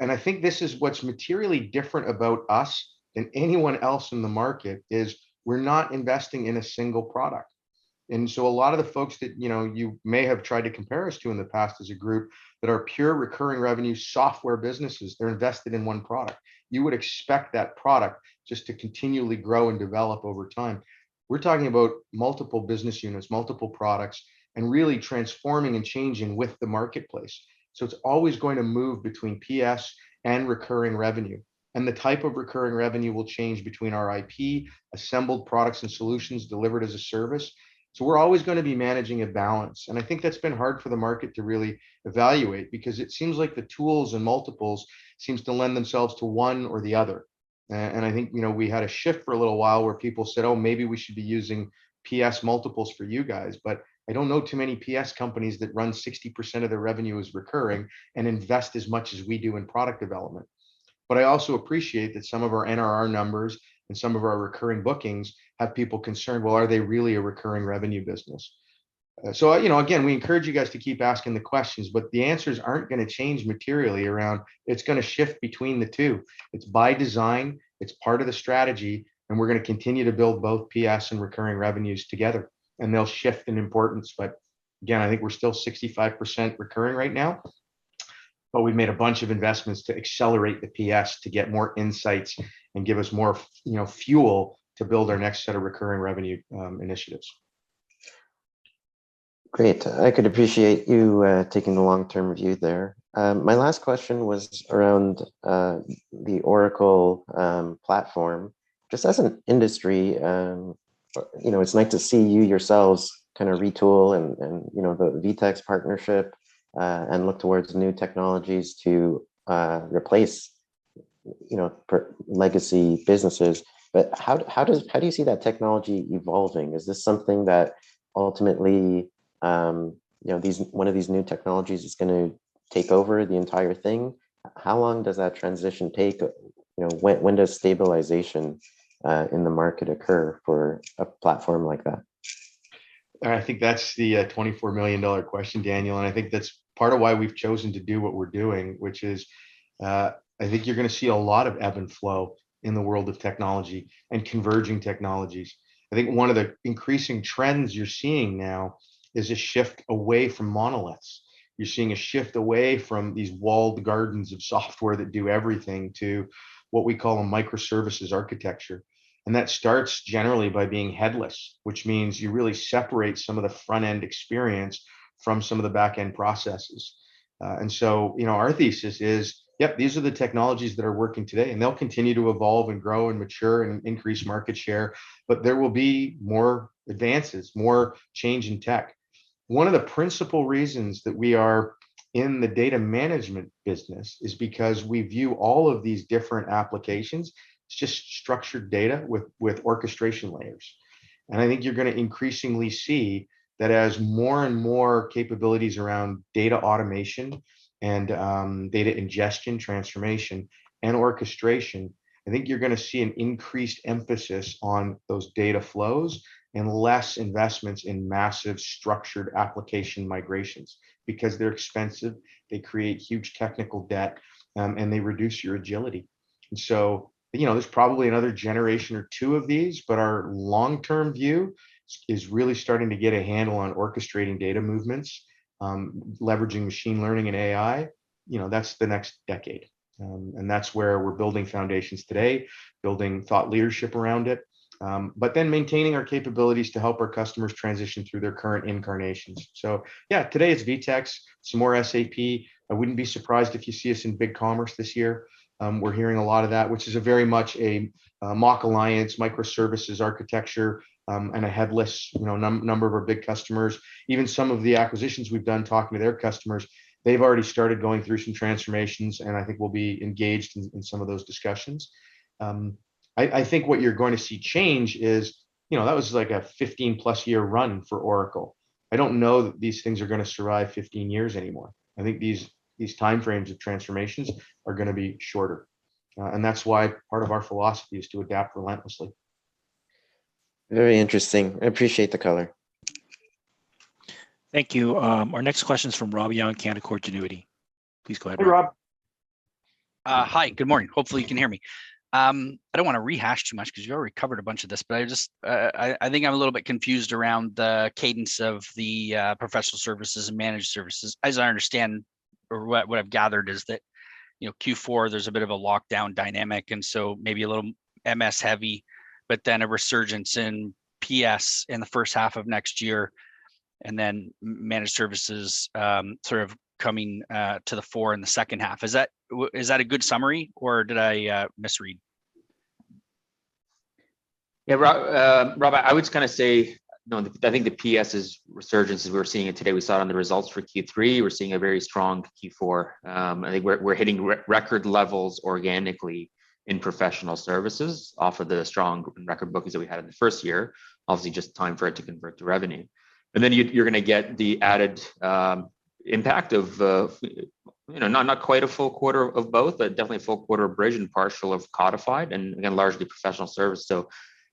I think this is what's materially different about us than anyone else in the market, is we're not investing in a single product. A lot of the folks that, you know, you may have tried to compare us to in the past as a group that are pure recurring revenue software businesses, they're invested in one product. You would expect that product just to continually grow and develop over time. We're talking about multiple business units, multiple products, and really transforming and changing with the marketplace. It's always going to move between PS and recurring revenue. The type of recurring revenue will change between our IP, assembled products and solutions delivered as a service. We're always gonna be managing a balance, and I think that's been hard for the market to really evaluate because it seems like the tools and multiples seems to lend themselves to one or the other. I think, you know, we had a shift for a little while where people said, "Oh, maybe we should be using PS multiples for you guys," but I don't know too many PS companies that run 60% of their revenue as recurring and invest as much as we do in product development. But I also appreciate that some of our NRR numbers and some of our recurring bookings have people concerned, "Well, are they really a recurring revenue business?" You know, again, we encourage you guys to keep asking the questions, but the answers aren't gonna change materially around it's gonna shift between the two. It's by design, it's part of the strategy, and we're gonna continue to build both PS and recurring revenues together, and they'll shift in importance. Again, I think we're still 65% recurring right now, but we've made a bunch of investments to accelerate the PS to get more insights and give us more, you know, fuel to build our next set of recurring revenue initiatives. Great. I could appreciate you taking the long-term view there. My last question was around the Oracle platform. Just as an industry, You know, it's nice to see you yourselves kind of retool and, you know, the VTEX partnership and look towards new technologies to replace, you know, legacy businesses. How do you see that technology evolving? Is this something that ultimately, you know, one of these new technologies is gonna take over the entire thing? How long does that transition take? You know, when does stabilization in the market occur for a platform like that? I think that's the $24 million question, Daniel, and I think that's part of why we've chosen to do what we're doing, which is I think you're gonna see a lot of ebb and flow in the world of technology and converging technologies. I think one of the increasing trends you're seeing now is a shift away from monoliths. You're seeing a shift away from these walled gardens of software that do everything to what we call a microservices architecture, and that starts generally by being headless, which means you really separate some of the front-end experience from some of the back-end processes. You know, our thesis is, yep, these are the technologies that are working today, and they'll continue to evolve and grow and mature and increase market share, but there will be more advances, more change in tech. One of the principal reasons that we are in the data management business is because we view all of these different applications as just structured data with orchestration layers. I think you're gonna increasingly see that as more and more capabilities around data automation and data ingestion, transformation, and orchestration. I think you're gonna see an increased emphasis on those data flows and less investments in massive structured application migrations because they're expensive, they create huge technical debt, and they reduce your agility. You know, there's probably another generation or two of these, but our long-term view is really starting to get a handle on orchestrating data movements, leveraging machine learning and AI. You know, that's the next decade. That's where we're building foundations today, building thought leadership around it, but then maintaining our capabilities to help our customers transition through their current incarnations. Yeah, today it's VTEX, some more SAP. I wouldn't be surprised if you see us in BigCommerce this year. We're hearing a lot of that, which is very much a MACH Alliance, microservices architecture, and a headless, you know, number of our big customers. Even some of the acquisitions we've done, talking to their customers, they've already started going through some transformations, and I think we'll be engaged in some of those discussions. I think what you're going to see change is, you know, that was like a 15-plus year run for Oracle. I don't know that these things are gonna survive 15 years anymore. I think these timeframes of transformations are gonna be shorter. That's why part of our philosophy is to adapt relentlessly. Very interesting. I appreciate the color. Thank you. Our next question's from Rob Young, Canaccord Genuity. Please go ahead, Rob. Hey, Rob. Hi. Good morning. Hopefully you can hear me. I don't wanna rehash too much because you already covered a bunch of this, but I just think I'm a little bit confused around the cadence of the professional services and managed services. As I understand or what I've gathered is that, you know, Q4, there's a bit of a lockdown dynamic, and so maybe a little MS heavy, but then a resurgence in PS in the first half of next year, and then managed services sort of coming to the fore in the second half. Is that a good summary, or did I misread? Yeah, Rob, I would kind of say, you know, I think the PS's resurgence as we're seeing it today, we saw it on the results for Q3. We're seeing a very strong Q4. I think we're hitting record levels organically in professional services off of the strong record bookings that we had in the first year, obviously just time for it to convert to revenue. Then you're gonna get the added impact of, you know, not quite a full quarter of both, but definitely a full quarter of Bridge and partial of Codifyd and largely professional service.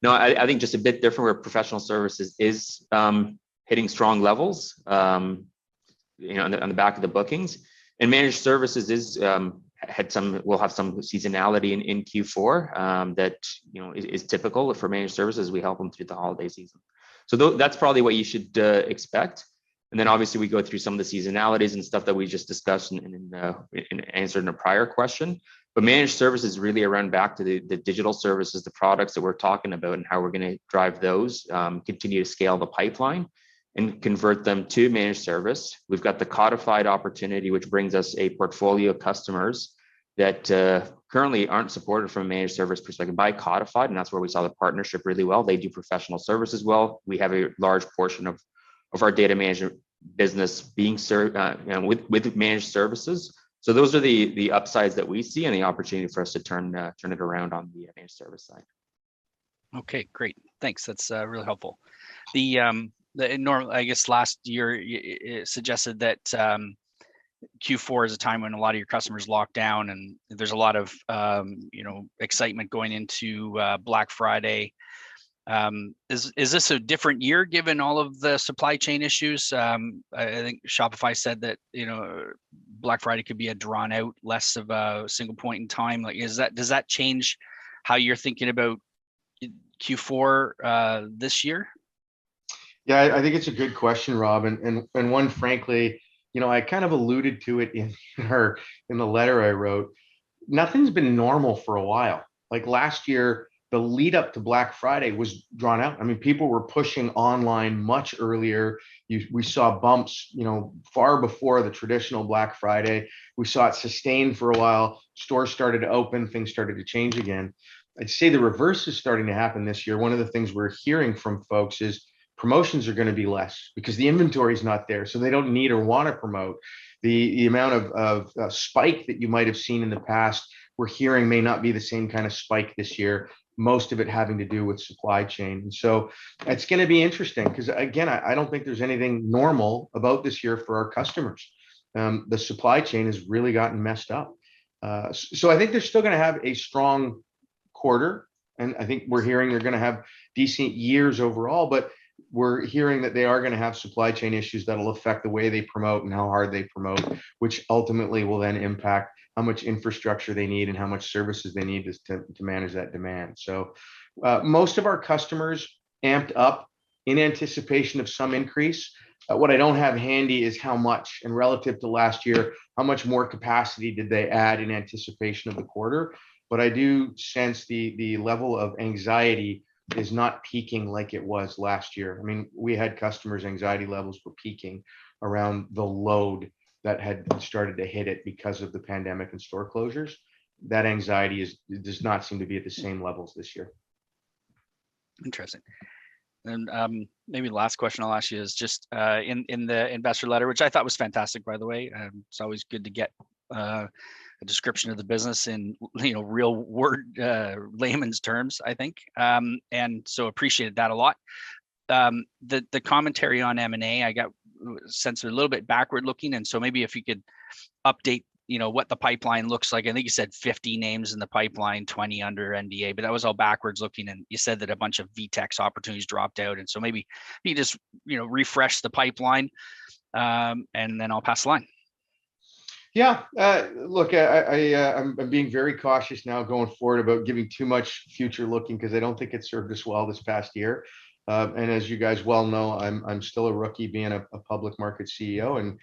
No, I think just a bit different where professional services is hitting strong levels, you know, on the back of the bookings. Managed services will have some seasonality in Q4 that you know is typical. For managed services, we help them through the holiday season. That's probably what you should expect. Obviously we go through some of the seasonalities and stuff that we just discussed in answering a prior question. Managed service is really around back to the digital services, the products that we're talking about and how we're gonna drive those, continue to scale the pipeline and convert them to managed service. We've got the Codifyd opportunity, which brings us a portfolio of customers that currently aren't supported from a managed service perspective by Codifyd, and that's where we saw the partnership really well. They do professional service as well. We have a large portion of our data management business being, you know, with managed services. Those are the upsides that we see and the opportunity for us to turn it around on the managed service side. Okay. Great. Thanks. That's really helpful. I guess last year you suggested that Q4 is a time when a lot of your customers lock down, and there's a lot of, you know, excitement going into Black Friday. Is this a different year given all of the supply chain issues? I think Shopify said that, you know, Black Friday could be a drawn-out, less of a single point in time. Like, does that change how you're thinking about Q4 this year? Yeah, I think it's a good question, Rob, and one frankly, you know, I kind of alluded to it in our, in the letter I wrote. Nothing's been normal for a while. Like, last year, the lead-up to Black Friday was drawn out. I mean, people were pushing online much earlier. We saw bumps, you know, far before the traditional Black Friday. We saw it sustain for a while, stores started to open, things started to change again. I'd say the reverse is starting to happen this year. One of the things we're hearing from folks is promotions are gonna be less because the inventory's not there, so they don't need or wanna promote. The amount of spike that you might have seen in the past we're hearing may not be the same kind of spike this year, most of it having to do with supply chain. It's gonna be interesting, 'cause again, I don't think there's anything normal about this year for our customers. The supply chain has really gotten messed up. I think they're still gonna have a strong quarter, and I think we're hearing they're gonna have decent years overall, but we're hearing that they are gonna have supply chain issues that'll affect the way they promote and how hard they promote, which ultimately will then impact how much infrastructure they need and how much services they need just to manage that demand. Most of our customers amped up in anticipation of some increase. What I don't have handy is how much, and relative to last year, how much more capacity did they add in anticipation of the quarter. I do sense the level of anxiety is not peaking like it was last year. I mean, we had customers' anxiety levels were peaking around the load that had started to hit it because of the pandemic and store closures. That anxiety does not seem to be at the same levels this year. Interesting. Maybe the last question I'll ask you is just in the investor letter, which I thought was fantastic by the way, it's always good to get a description of the business in, you know, real world layman's terms, I think, and so appreciated that a lot. The commentary on M&A I got a sense a little bit backward-looking, and so maybe if you could update, you know, what the pipeline looks like. I think you said 50 names in the pipeline, 20 under NDA, but that was all backward-looking, and you said that a bunch of VTEX opportunities dropped out, and so maybe can you just, you know, refresh the pipeline, and then I'll pass the line. Yeah. Look, I'm being very cautious now going forward about giving too much future-looking, 'cause I don't think it served us well this past year. As you guys well know, I'm still a rookie being a public market CEO, and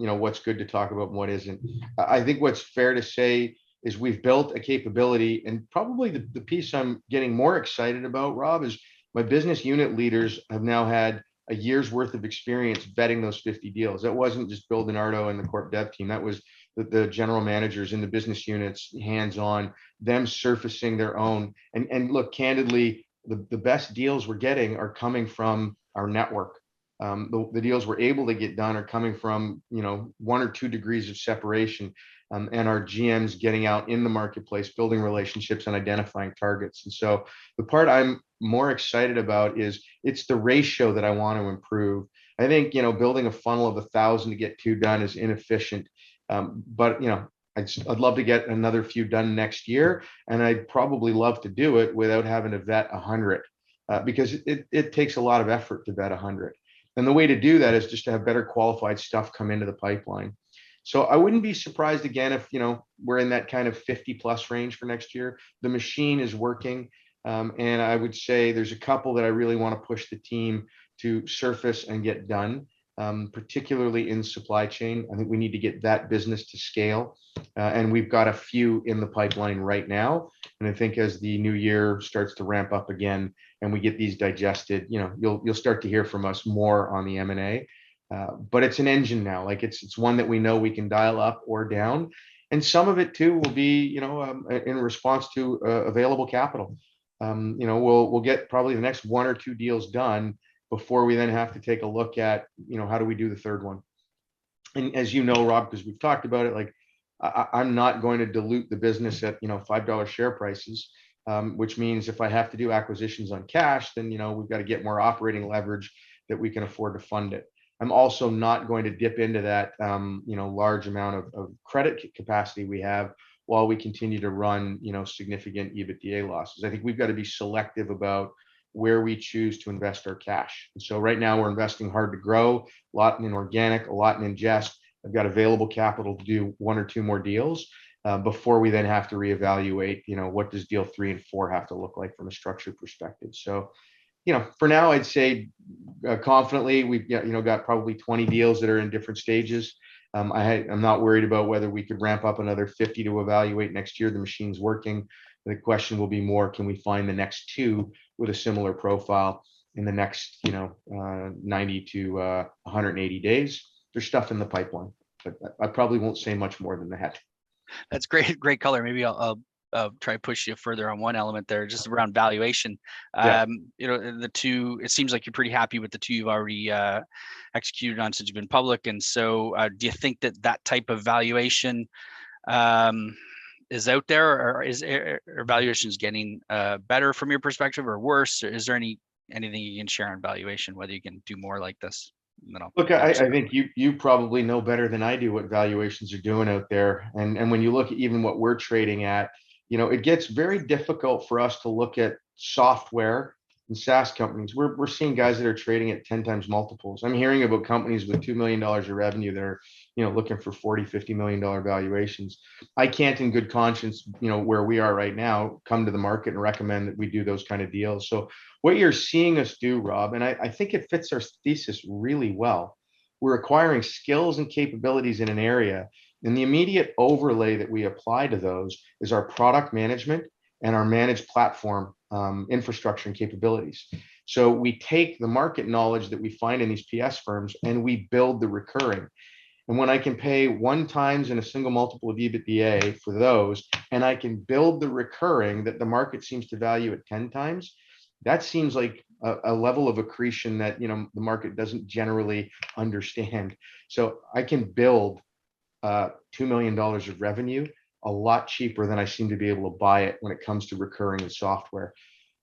you know, what's good to talk about and what isn't. I think what's fair to say is we've built a capability. Probably the piece I'm getting more excited about, Rob, is my business unit leaders have now had a year's worth of experience vetting those 50 deals. That wasn't just Bill Di Nardo and the corp dev team. That was the general managers in the business units hands-on, them surfacing their own. Look, candidly, the best deals we're getting are coming from our network. The deals we're able to get done are coming from, you know, one or two degrees of separation, and our GMs getting out in the marketplace, building relationships and identifying targets. The part I'm more excited about is, it's the ratio that I want to improve. I think, you know, building a funnel of 1,000 to get two done is inefficient, but, you know, I'd love to get another few done next year, and I'd probably love to do it without having to vet 100, because it takes a lot of effort to vet 100. The way to do that is just to have better qualified stuff come into the pipeline. I wouldn't be surprised again if, you know, we're in that kind of 50+ range for next year. The machine is working, and I would say there's a couple that I really wanna push the team to surface and get done, particularly in supply chain. I think we need to get that business to scale, and we've got a few in the pipeline right now, and I think as the new year starts to ramp up again and we get these digested, you know, you'll start to hear from us more on the M&A. It's an engine now. Like, it's one that we know we can dial up or down. Some of it too will be, you know, in response to available capital. You know, we'll get probably the next one or two deals done before we then have to take a look at, you know, how do we do the third one. As you know, Rob, 'cause we've talked about it, like I'm not going to dilute the business at, you know, 5 dollar share prices, which means if I have to do acquisitions on cash, then, you know, we've got to get more operating leverage that we can afford to fund it. I'm also not going to dip into that, you know, large amount of credit capacity we have while we continue to run, you know, significant EBITDA losses. I think we've got to be selective about where we choose to invest our cash. Right now we're investing hard to grow, a lot in organic, a lot in ingest. I've got available capital to do one or two more deals, before we then have to reevaluate, you know, what does deal three and four have to look like from a structure perspective. you know, for now I'd say confidently we've got, you know, probably 20 deals that are in different stages. I'm not worried about whether we could ramp up another 50 to evaluate next year. The machine's working. The question will be more, can we find the next two with a similar profile in the next, you know, 90 days to 180 days? There's stuff in the pipeline. I probably won't say much more than that. That's great color. Maybe I'll try to push you further on one element there, just around valuation. Yeah. You know, the two, it seems like you're pretty happy with the two you've already executed on since you've been public, and so do you think that that type of valuation is out there, or valuation's getting better from your perspective or worse, or is there anything you can share on valuation, whether you can do more like this? I'll- Look, I think you probably know better than I do what valuations are doing out there. When you look at even what we're trading at, you know, it gets very difficult for us to look at software and SaaS companies. We're seeing guys that are trading at 10x multiples. I'm hearing about companies with 2 million dollars of revenue that are, you know, looking for 40 million, 50 million dollar valuations. I can't in good conscience, you know, where we are right now, come to the market and recommend that we do those kind of deals. What you're seeing us do, Rob, and I think it fits our thesis really well. We're acquiring skills and capabilities in an area, and the immediate overlay that we apply to those is our product management and our managed platform, infrastructure and capabilities. We take the market knowledge that we find in these PS firms, and we build the recurring. When I can pay 1x in a single multiple of EBITDA for those, and I can build the recurring that the market seems to value at 10x, that seems like a level of accretion that, you know, the market doesn't generally understand. I can build 2 million dollars of revenue a lot cheaper than I seem to be able to buy it when it comes to recurring and software.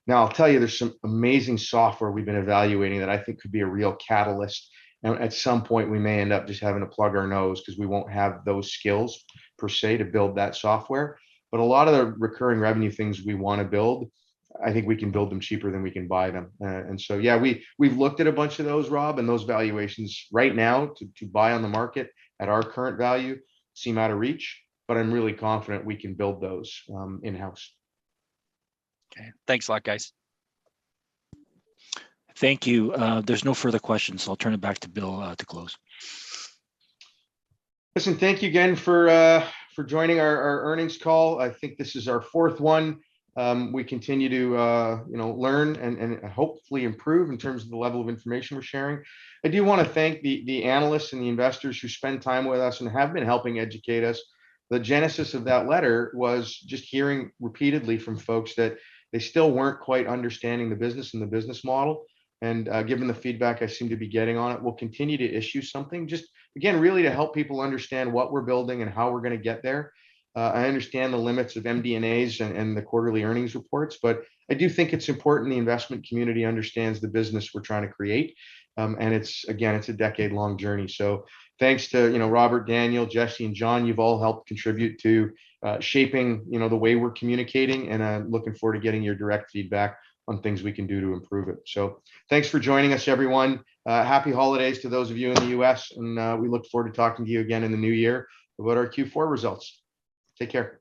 Now, I'll tell you, there's some amazing software we've been evaluating that I think could be a real catalyst, and at some point, we may end up just having to plug our nose because we won't have those skills per se to build that software. A lot of the recurring revenue things we wanna build, I think we can build them cheaper than we can buy them. Yeah, we've looked at a bunch of those, Rob, and those valuations right now to buy on the market at our current value seem out of reach, but I'm really confident we can build those, in-house. Okay. Thanks a lot, guys. Thank you. There's no further questions, so I'll turn it back to Bill to close. Listen, thank you again for joining our earnings call. I think this is our fourth one. We continue to you know learn and hopefully improve in terms of the level of information we're sharing. I do wanna thank the analysts and the investors who spend time with us and have been helping educate us. The genesis of that letter was just hearing repeatedly from folks that they still weren't quite understanding the business and the business model. Given the feedback I seem to be getting on it, we'll continue to issue something just again really to help people understand what we're building and how we're gonna get there. I understand the limits of MD&As and the quarterly earnings reports, but I do think it's important the investment community understands the business we're trying to create. It's a decade-long journey. Thanks to, you know, Robert, Daniel, Jesse, and John. You've all helped contribute to shaping, you know, the way we're communicating, and I'm looking forward to getting your direct feedback on things we can do to improve it. Thanks for joining us, everyone. Happy holidays to those of you in the US, and we look forward to talking to you again in the new year about our Q4 results. Take care.